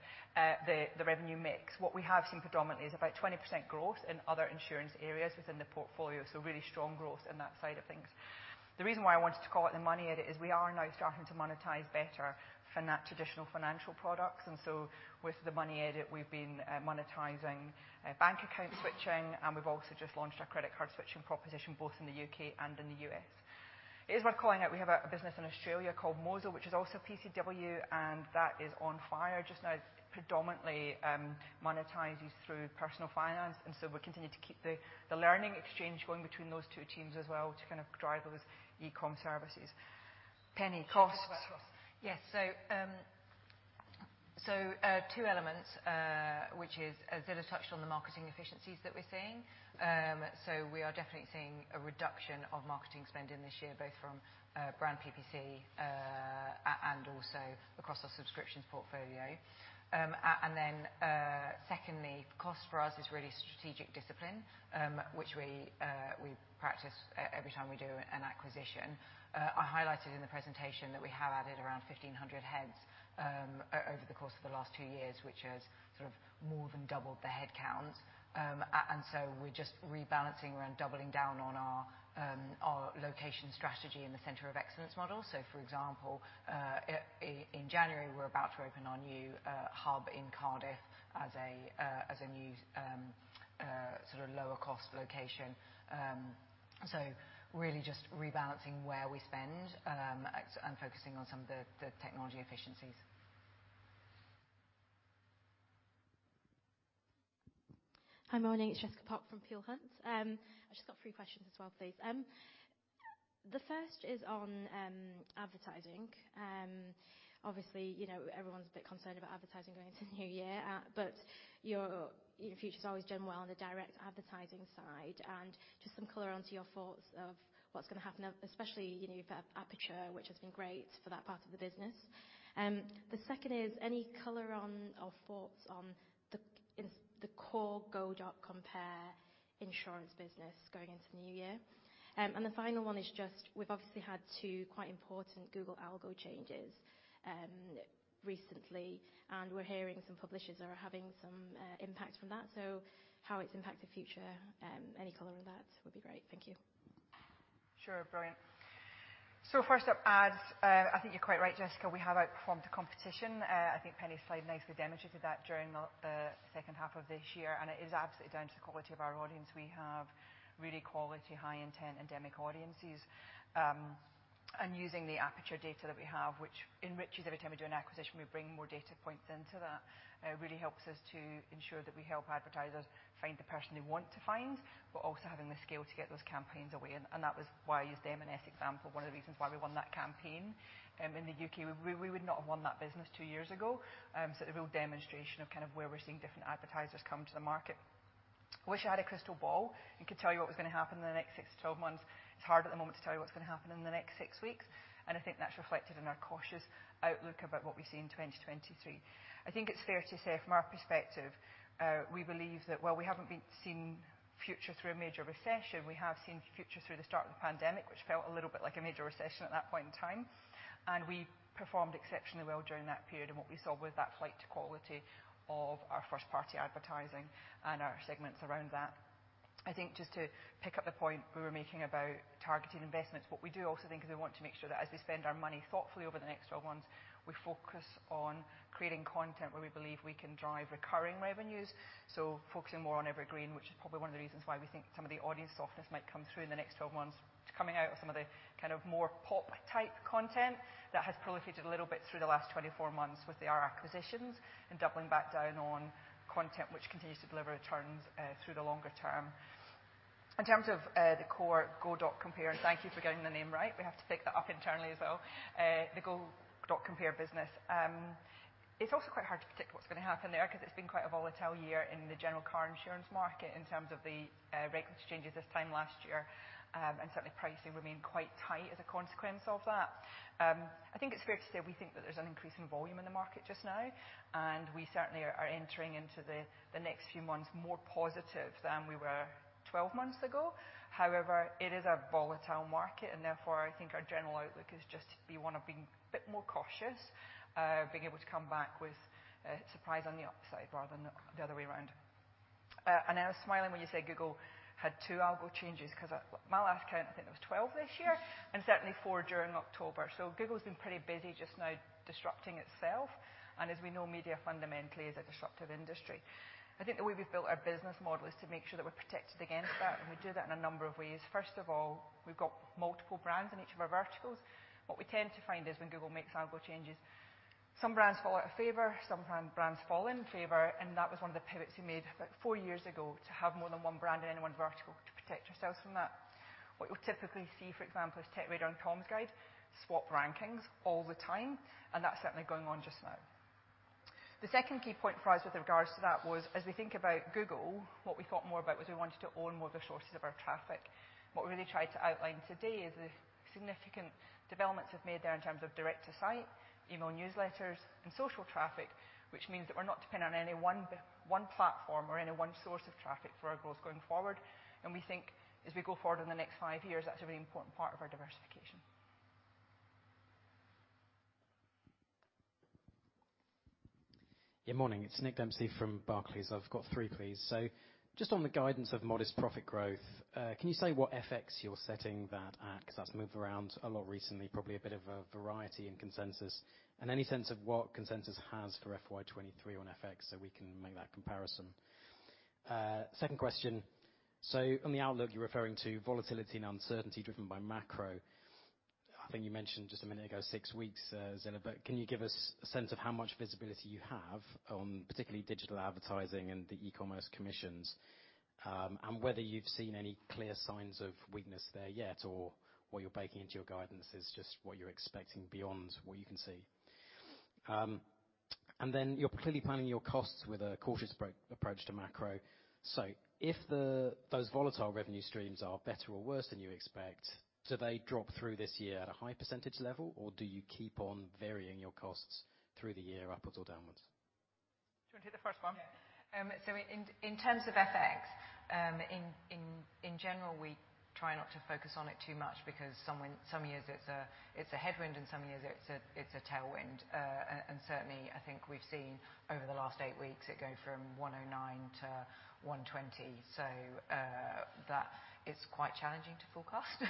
the revenue mix. What we have seen predominantly is about 20% growth in other insurance areas within the portfolio. Really strong growth in that side of things. The reason why I wanted to call out The Money Edit is we are now starting to monetize better traditional financial products. With The Money Edit, we've been monetizing bank account switching, and we've also just launched our credit card switching proposition both in the U.K. and in the U.S. It is worth calling out, we have a business in Australia called Mozo, which is also PCW, and that is on fire just now. It's predominantly monetizing through personal finance, and so we continue to keep the learning exchange going between those two teams as well to kind of drive those e-com services. Penny, costs. costs. Yes. Two elements. Which is, as Zillah touched on the marketing efficiencies that we're seeing. We are definitely seeing a reduction of marketing spending this year, both from brand PPC and also across our subscriptions portfolio. Secondly, cost for us is really strategic discipline, which we practice every time we do an acquisition. I highlighted in the presentation that we have added around 1,500 heads over the course of the last two years, which has sort of more than doubled the headcounts. We're just rebalancing. We're doubling down on our location strategy in the center of excellence model. For example, in January, we're about to open our new hub in Cardiff as a new sort of lower-cost location. Really just rebalancing where we spend and focusing on some of the technology efficiencies. Hi, morning. It's Jessica Pok from Peel Hunt. I've just got three questions as well, please. The first is on advertising. Obviously, you know, everyone's a bit concerned about advertising going into the new year. Your, you know, Future's always done well on the direct advertising side, and just some color onto your thoughts of what's gonna happen, especially, you know, you've had Aperture, which has been great for that part of the business. The second is, any color on or thoughts on the core Go.Compare insurance business going into the new year? The final one is just we've obviously had two quite important Google algo changes recently, and we're hearing some publishers are having some impact from that. How it's impacted Future, any color on that would be great. Thank you. Sure. Brilliant. First up, ads. I think you're quite right, Jessica, we have outperformed the competition. I think Penny's slide nicely demonstrated that during the second half of this year, and it is absolutely down to the quality of our audience. We have really quality, high-intent, endemic audiences. And using the Aperture data that we have, which enriches every time we do an acquisition, we bring more data points into that, really helps us to ensure that we help advertisers find the person they want to find, but also having the scale to get those campaigns away. That was why I used the M&S example, one of the reasons why we won that campaign in the U.K. We would not have won that business two years ago. The real demonstration of kind of where we're seeing different advertisers come to the market. Wish I had a crystal ball and could tell you what was gonna happen in the next six to 12 months. It's hard at the moment to tell you what's gonna happen in the next six weeks. I think that's reflected in our cautious outlook about what we see in 2023. I think it's fair to say from our perspective, we believe that while we haven't seen Future through a major recession, we have seen Future through the start of the pandemic, which felt a little bit like a major recession at that point in time. We performed exceptionally well during that period, and what we saw was that flight to quality of our first-party advertising and our segments around that. I think just to pick up the point we were making about targeted investments, what we do also think is we want to make sure that as we spend our money thoughtfully over the next 12 months, we focus on creating content where we believe we can drive recurring revenues. Focusing more on evergreen, which is probably one of the reasons why we think some of the audience softness might come through in the next 12 months. It's coming out of some of the kind of more pop-type content that has proliferated a little bit through the last 24 months with our acquisitions and doubling back down on content which continues to deliver returns through the longer term. In terms of the core Go.Compare, thank you for getting the name right, we have to pick that up internally as well. The Go.Compare business. It's also quite hard to predict what's gonna happen there 'cause it's been quite a volatile year in the general car insurance market in terms of the regulations changes this time last year. Certainly pricing remained quite tight as a consequence of that. I think it's fair to say we think that there's an increase in volume in the market just now, and we certainly are entering into the next few months more positive than we were 12 months ago. However, it is a volatile market and therefore I think our general outlook is just to be one of being a bit more cautious, being able to come back with surprise on the upside rather than the other way around. I was smiling when you said Google had 2 algo changes 'cause at my last count, I think it was 12 this year, and certainly four during October. Google's been pretty busy just now disrupting itself, and as we know, media fundamentally is a disruptive industry. I think the way we've built our business model is to make sure that we're protected against that, and we do that in a number of ways. First of all, we've got multiple brands in each of our verticals. What we tend to find is when Google makes algo changes, some brands fall out of favor, sometimes brands fall in favor, and that was 1 of the pivots we made about four years ago to have more than one brand in any one vertical to protect ourselves from that. What you'll typically see, for example, is TechRadar and Tom's Guide swap rankings all the time, and that's certainly going on just now. The second key point for us with regards to that was as we think about Google, what we thought more about was we wanted to own more of the sources of our traffic. What we really tried to outline today is the significant developments we've made there in terms of direct to site, email newsletters, and social traffic, which means that we're not dependent on any one platform or any one source of traffic for our growth going forward. We think as we go forward in the next five years, that's a really important part of our diversification. Morning. It's Nick Dempsey from Barclays. I've got three, please. Just on the guidance of modest profit growth, can you say what FX you're setting that at? 'Cause that's moved around a lot recently. Probably a bit of a variety in consensus. Any sense of what consensus has for FY 2023 on FX so we can make that comparison. Second question. On the outlook, you're referring to volatility and uncertainty driven by macro. I think you mentioned just a minute ago, six weeks, Zillah. Can you give us a sense of how much visibility you have on particularly digital advertising and the e-commerce commissions? Whether you've seen any clear signs of weakness there yet, or what you're baking into your guidance is just what you're expecting beyond what you can see. Then you're clearly planning your costs with a cautious approach to macro. If the, those volatile revenue streams are better or worse than you expect, do they drop through this year at a high % level, or do you keep on varying your costs through the year, upwards or downwards? Do you want to do the first one? Yeah. In terms of FX, in general, we try not to focus on it too much because some years it's a headwind, and some years it's a tailwind. Certainly I think we've seen over the last eight weeks it go from 1.09 to 1.20. That is quite challenging to forecast.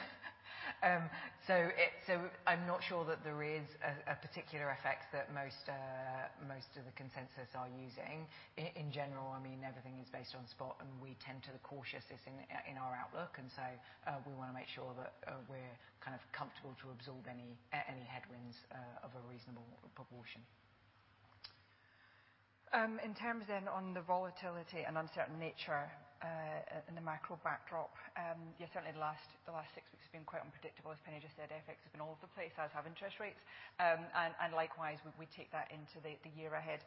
I'm not sure that there is a particular effect that most of the consensus are using. In general, everything is based on spot, and we tend to the cautiousness in our outlook. We wanna make sure that we're kind of comfortable to absorb any headwinds of a reasonable proportion. In terms on the volatility and uncertain nature in the macro backdrop, certainly the last six weeks have been quite unpredictable. As Penny just said, FX has been all over the place, as have interest rates. Likewise, we take that into the year ahead.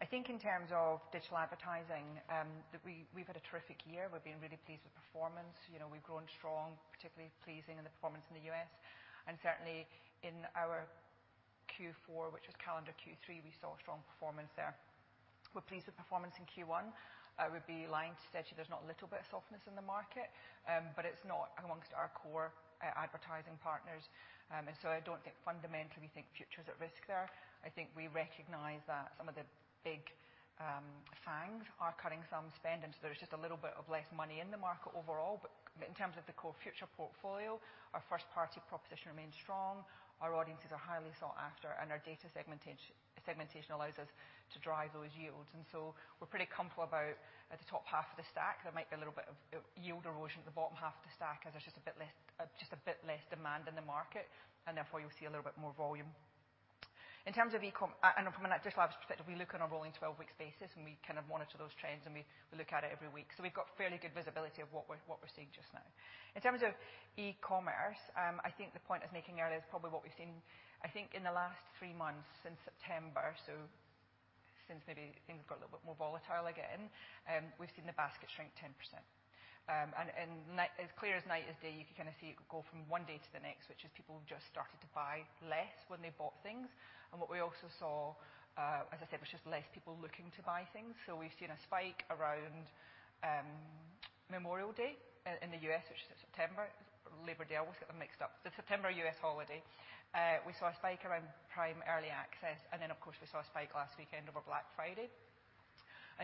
I think in terms of digital advertising, we've had a terrific year. We've been really pleased with performance. You know, we've grown strong, particularly pleasing in the performance in the U.S. Certainly in our Q4, which was calendar Q3, we saw strong performance there. We're pleased with performance in Q1. I would be lying to say to you there's not a little bit of softness in the market. It's not amongst our core advertising partners. I don't think fundamentally we think Future's at risk there. I think we recognize that some of the big FANGs are cutting some spend, there's just a little bit of less money in the market overall. In terms of the core Future portfolio, our first-party proposition remains strong. Our audiences are highly sought after, our data segmentation allows us to drive those yields. We're pretty comfortable about the top half of the stack. There might be a little bit of yield erosion at the bottom half of the stack as there's just a bit less demand in the market, and therefore you'll see a little bit more volume. In terms of eCom, and from an advertising perspective, we look on a rolling 12-week basis, and we kind of monitor those trends, and we look at it every week. We've got fairly good visibility of what we're, what we're seeing just now. In terms of e-commerce, I think the point I was making earlier is probably what we've seen, I think, in the last three months since September. Since maybe things have got a little bit more volatile again, we've seen the basket shrink 10%. And as clear as night is day, you can kinda see it go from one day to the next, which is people have just started to buy less when they've bought things. What we also saw, as I said, was just less people looking to buy things. We've seen a spike around Memorial Day in the U.S., which is September. Labor Day, I always get them mixed up. The September U.S. holiday. We saw a spike around Prime Early Access, and then of course we saw a spike last weekend over Black Friday.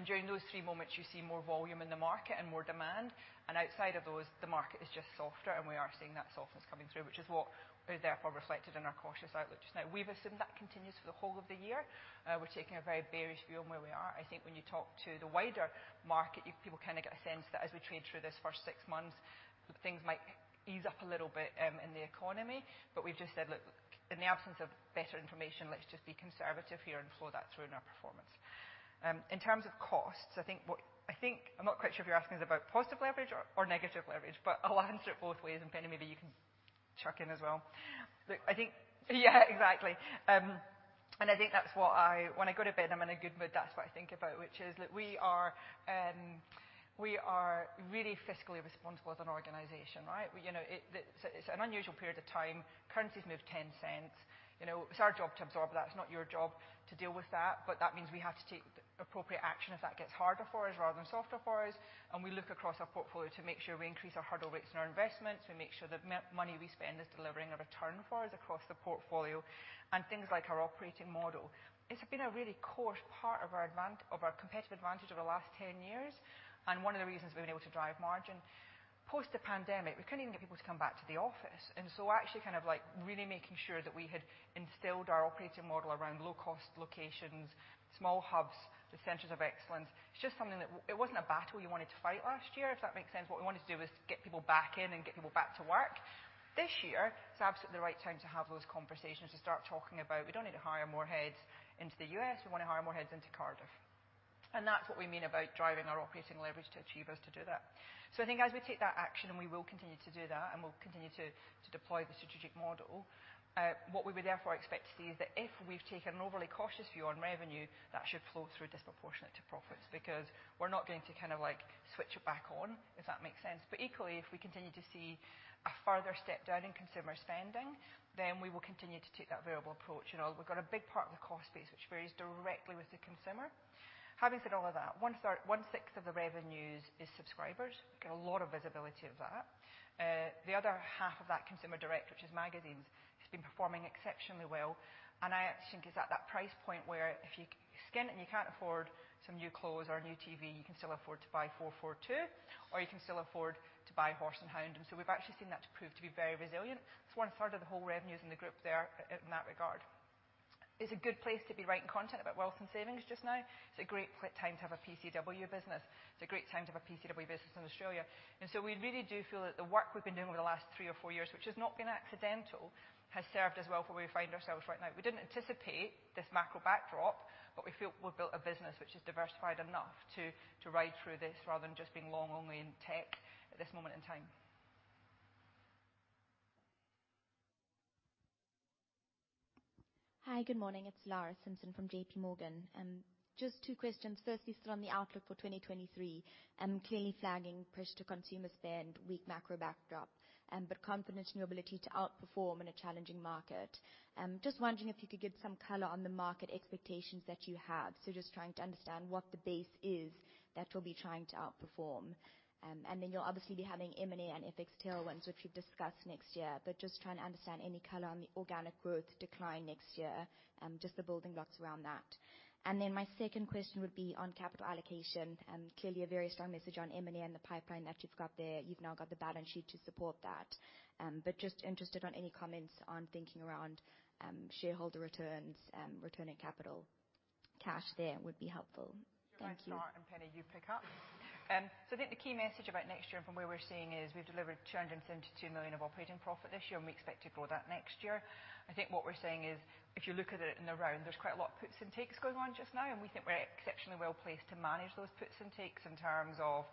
During those three moments, you see more volume in the market and more demand. Outside of those, the market is just softer, and we are seeing that softness coming through, which is what is therefore reflected in our cautious outlook just now. We've assumed that continues for the whole of the year. We're taking a very bearish view on where we are. I think when you talk to the wider market, people kinda get a sense that as we trade through this first six months, things might ease up a little bit in the economy. We've just said, "Look, in the absence of better information, let's just be conservative here and flow that through in our performance." In terms of costs, I think, I'm not quite sure if you're asking this about positive leverage or negative leverage, but I'll answer it both ways. Penny, maybe you can chuck in as well. Yeah, exactly. I think that's what I... When I go to bed, I'm in a good mood. That's what I think about, which is, look, we are really fiscally responsible as an organization, right? We, you know... it's an unusual period of time. Currency's moved $0.10. You know, it's our job to absorb that. It's not your job to deal with that, but that means we have to take appropriate action if that gets harder for us rather than softer for us. We look across our portfolio to make sure we increase our hurdle rates and our investments. We make sure the money we spend is delivering a return for us across the portfolio. Things like our operating model. It's been a really core part of our competitive advantage over the last 10 years, and one of the reasons we've been able to drive margin. Post the pandemic, we couldn't even get people to come back to the office. Actually kind of like really making sure that we had instilled our operating model around low-cost locations, small hubs with centers of excellence. It's just something that... It wasn't a battle you wanted to fight last year, if that makes sense. What we wanted to do was get people back in and get people back to work. This year, it's absolutely the right time to have those conversations, to start talking about, we don't need to hire more heads into the U.S. We wanna hire more heads into Cardiff. That's what we mean about driving our operating leverage to achieve us to do that. I think as we take that action, and we will continue to do that, and we'll continue to deploy the strategic model, what we would therefore expect to see is that if we've taken an overly cautious view on revenue, that should flow through disproportionate to profits, because we're not going to kind of like switch it back on, if that makes sense. Equally, if we continue to see a further step down in consumer spending, then we will continue to take that variable approach. You know, we've got a big part of the cost base, which varies directly with the consumer. Having said all of that, 1/3, 1/6 of the revenues is subscribers. We've got a lot of visibility of that. The other half of that consumer direct, which is magazines, has been performing exceptionally well, and I actually think it's at that price point where if you're skint and you can't afford some new clothes or a new TV, you can still afford to buy FourFourTwo, or you can still afford to buy Horse & Hound. We've actually seen that to prove to be very resilient. It's 1/3 of the whole revenues in the group there in that regard. It's a good place to be writing content about wealth and savings just now. It's a great quick time to have a PCW business. It's a great time to have a PCW business in Australia. We really do feel that the work we've been doing over the last three or four years, which has not been accidental, has served us well for where we find ourselves right now. We didn't anticipate this macro backdrop, but we feel we've built a business which is diversified enough to ride through this rather than just being long only in tech at this moment in time. Hi. Good morning. It's Lara Simpson from JP Morgan. just two questions. Firstly, still on the outlook for 2023. clearly flagging push to consumer spend, weak macro backdrop, but confidence in your ability to outperform in a challenging market. just wondering if you could give some color on the market expectations that you have. just trying to understand what the base is that we'll be trying to outperform. then you'll obviously be having M&A and FX tailwinds, which we've discussed next year, but just trying to understand any color on the organic growth decline next year, just the building blocks around that. then my second question would be on capital allocation. clearly a very strong message on M&A and the pipeline that you've got there. You've now got the balance sheet to support that. Just interested on any comments on thinking around shareholder returns, returning capital cash there would be helpful. Thank you. Thanks, Lara. Penny, you pick up.I think the key message about next year and from where we're seeing is we've delivered 272 million of operating profit this year, and we expect to grow that next year. I think what we're saying is, if you look at it in the round, there's quite a lot of puts and takes going on just now, and we think we're exceptionally well placed to manage those puts and takes in terms of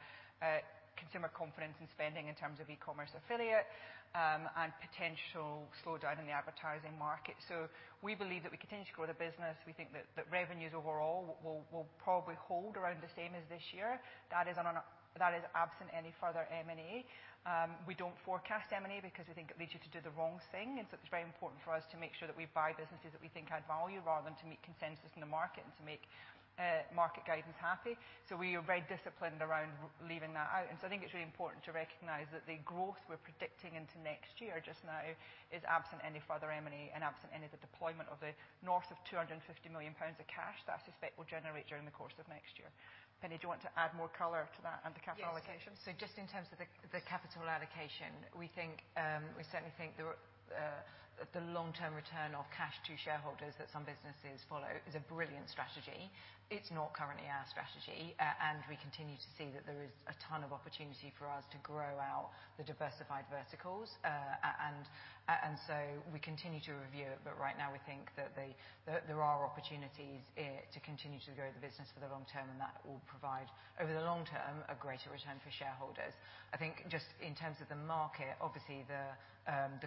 consumer confidence and spending in terms of e-commerce affiliate, and potential slowdown in the advertising market. We believe that we continue to grow the business. We think that revenues overall will probably hold around the same as this year. That is absent any further M&A. We don't forecast M&A because we think it leads you to do the wrong thing, it's very important for us to make sure that we buy businesses that we think add value rather than to meet consensus in the market and to make market guidance happy. We are very disciplined around leaving that out. I think it's really important to recognize that the growth we're predicting into next year just now is absent any further M&A and absent any of the deployment of the north of 250 million pounds of cash that I suspect will generate during the course of next year. Penny, do you want to add more color to that and the capital allocation? Yes. Just in terms of the capital allocation, we think, we certainly think there, the long-term return of cash to shareholders that some businesses follow is a brilliant strategy. It's not currently our strategy. We continue to see that there is a ton of opportunity for us to grow out the diversified verticals. We continue to review it, but right now we think that there are opportunities to continue to grow the business for the long term, that will provide over the long term a greater return for shareholders. I think just in terms of the market, obviously the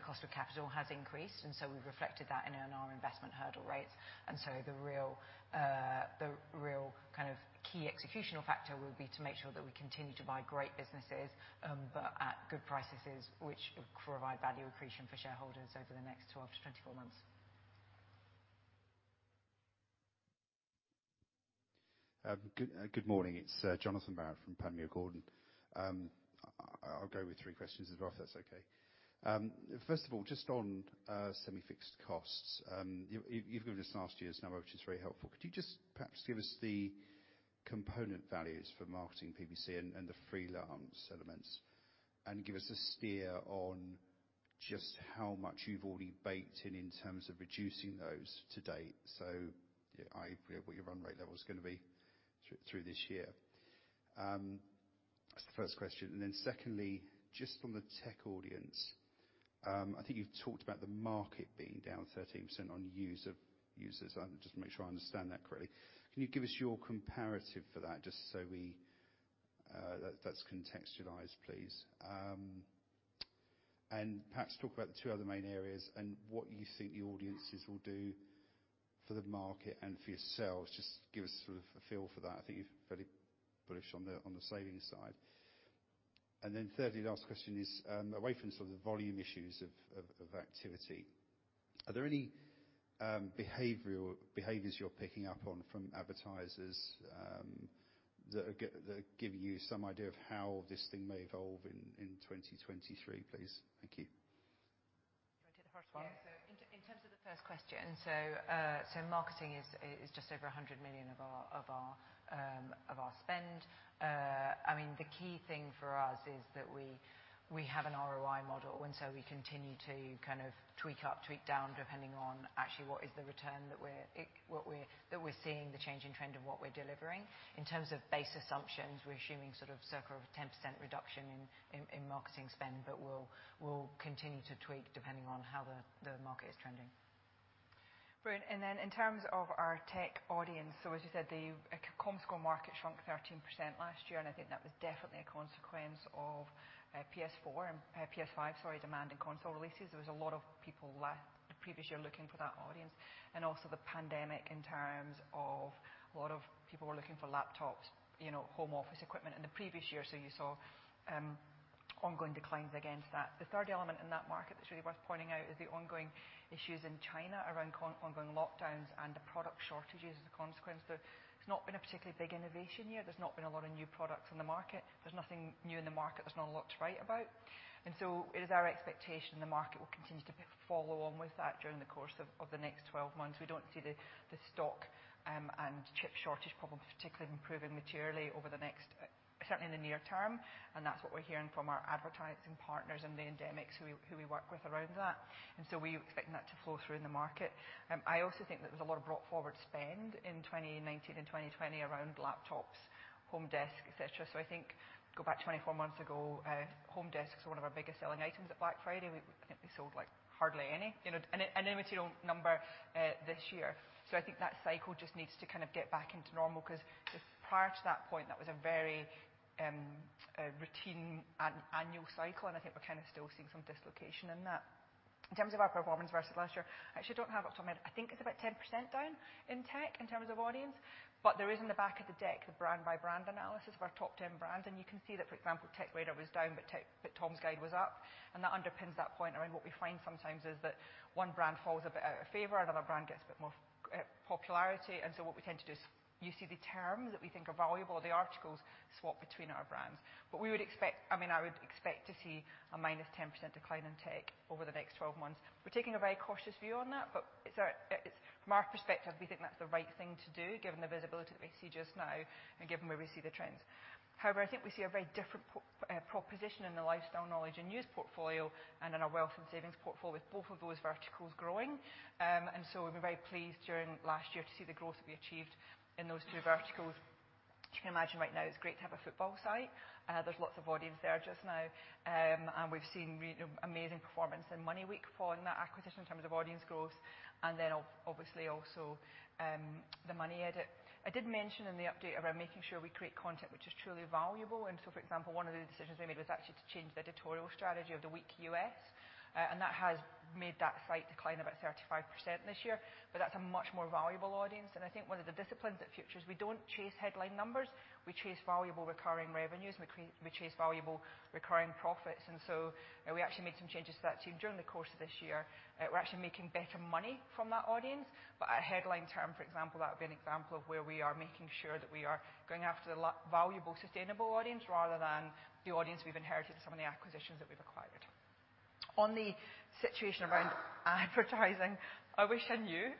cost of capital has increased. We've reflected that in our investment hurdle rates. The real, the real kind of key executional factor will be to make sure that we continue to buy great businesses, but at good prices which provide value accretion for shareholders over the next 12 to 24 months. Good morning. It's Jonathan Barrett from Panmure Gordon. I'll go with 3 questions as well if that's okay. First of all, just on semi-fixed costs. You've given us last year's number, which is very helpful. Could you just perhaps give us the component values for marketing PPC and the freelance elements, and give us a steer on just how much you've already baked in in terms of reducing those to date? I.e., what your run rate level is going to be through this year. That's the first question. Secondly, just on the tech audience, I think you've talked about the market being down 13% on users. I want just to make sure I understand that correctly. Can you give us your comparative for that just so we that's contextualized, please? Perhaps talk about the two other main areas and what you think the audiences will do for the market and for yourselves. Just give us sort of a feel for that. I think you're very bullish on the, on the savings side. Thirdly, last question is, away from sort of the volume issues of activity, are there any behaviors you're picking up on from advertisers that give you some idea of how this thing may evolve in 2023, please? Thank you. Do you wanna take the first one? In terms of the first question, marketing is just over 100 million of our spend. I mean, the key thing for us is that we have an ROI model, and so we continue to kind of tweak up, tweak down, depending on actually what is the return that we're seeing the change in trend and what we're delivering. In terms of base assumptions, we're assuming sort of circa of 10% reduction in marketing spend, but we'll continue to tweak depending on how the market is trending. Brilliant. In terms of our tech audience, as you said, the Comscore market shrunk 13% last year, and I think that was definitely a consequence of PS4, PS5, sorry, demand and console releases. There was a lot of people the previous year looking for that audience. Also the pandemic in terms of a lot of people were looking for laptops, you know, home office equipment in the previous year. You saw ongoing declines against that. The third element in that market that's really worth pointing out is the ongoing issues in China around ongoing lockdowns and the product shortages as a consequence. There's not been a particularly big innovation year. There's not been a lot of new products in the market. There's nothing new in the market. There's not a lot to write about. It is our expectation the market will continue to follow on with that during the course of the next 12 months. We don't see the stock, and chip shortage problem particularly improving materially over the next, certainly in the near term, and that's what we're hearing from our advertising partners and the endemics who we work with around that. We're expecting that to flow through in the market. I also think that there's a lot of brought forward spend in 2019 and 2020 around laptops, home desk, et cetera. I think go back 24 months ago, home desks were one of our biggest selling items at Black Friday. We think we sold like hardly any, you know, and a material number this year. I think that cycle just needs to kind of get back into normal because just prior to that point, that was a very routine annual cycle, and I think we're kind of still seeing some dislocation in that. In terms of our performance versus last year, I actually don't have up to my. I think it's about 10% down in tech in terms of audience, but there is in the back of the deck the brand by brand analysis of our top 10 brands, and you can see that, for example, TechRadar was down, but Tom's Guide was up, and that underpins that point around what we find sometimes is that one brand falls a bit out of favor, another brand gets a bit more popularity. What we tend to do is use the terms that we think are valuable, the articles swap between our brands. We would expect I mean, I would expect to see a minus 10% decline in tech over the next 12 months. We're taking a very cautious view on that, but it's from our perspective, we think that's the right thing to do given the visibility that we see just now and given where we see the trends. However, I think we see a very different proposition in the lifestyle knowledge and news portfolio and in our Wealth and Savings portfolio with both of those verticals growing. We're very pleased during last year to see the growth that we achieved in those two verticals. As you can imagine right now it's great to have a football site. There's lots of audience there just now, we've seen amazing performance in MoneyWeek following that acquisition in terms of audience growth and then obviously also, The Money Edit. I did mention in the update around making sure we create content which is truly valuable, for example, one of the decisions they made was actually to change the editorial strategy of The Week US, and that has made that site decline about 35% this year. That's a much more valuable audience, and I think one of the disciplines at Future, we don't chase headline numbers. We chase valuable recurring revenues, we chase valuable recurring profits. You know, we actually made some changes to that tune during the course of this year. We're actually making better money from that audience. At headline term, for example, that would be an example of where we are making sure that we are going after the valuable, sustainable audience rather than the audience we've inherited from some of the acquisitions that we've acquired. On the situation around advertising, I wish I knew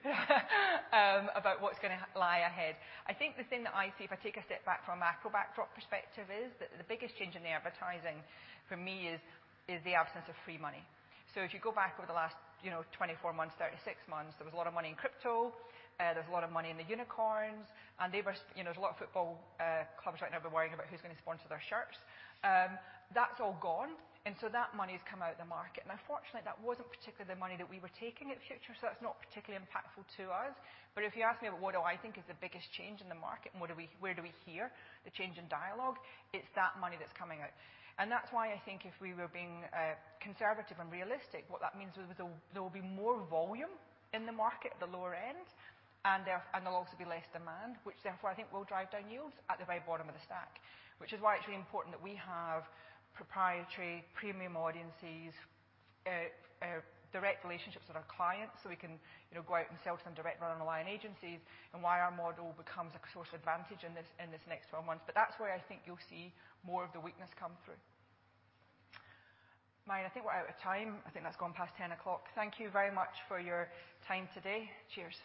about what's gonna lie ahead. I think the thing that I see, if I take a step back from a macro backdrop perspective, is the biggest change in the advertising for me is the absence of free money. If you go back over the last, you know, 24 months, 36 months, there was a lot of money in crypto, there was a lot of money in the unicorns, and they were, you know, there was a lot of football clubs right now were worrying about who's gonna sponsor their shirts. That's all gone. That money's come out of the market. Now fortunately, that wasn't particularly the money that we were taking at Future, so that's not particularly impactful to us. If you ask me, what do I think is the biggest change in the market and where do we hear the change in dialogue, it's that money that's coming out. That's why I think if we were being conservative and realistic, what that means is there will be more volume in the market at the lower end, and there'll also be less demand, which therefore I think will drive down yields at the very bottom of the stack. Which is why it's really important that we have proprietary premium audiences, direct relationships with our clients, so we can, you know, go out and sell to them direct rather than relying agencies and why our model becomes a source of advantage in this, in this next 12 months. That's where I think you'll see more of the weakness come through. I think we're out of time. I think that's gone past 10:00. Thank you very much for your time today. Cheers.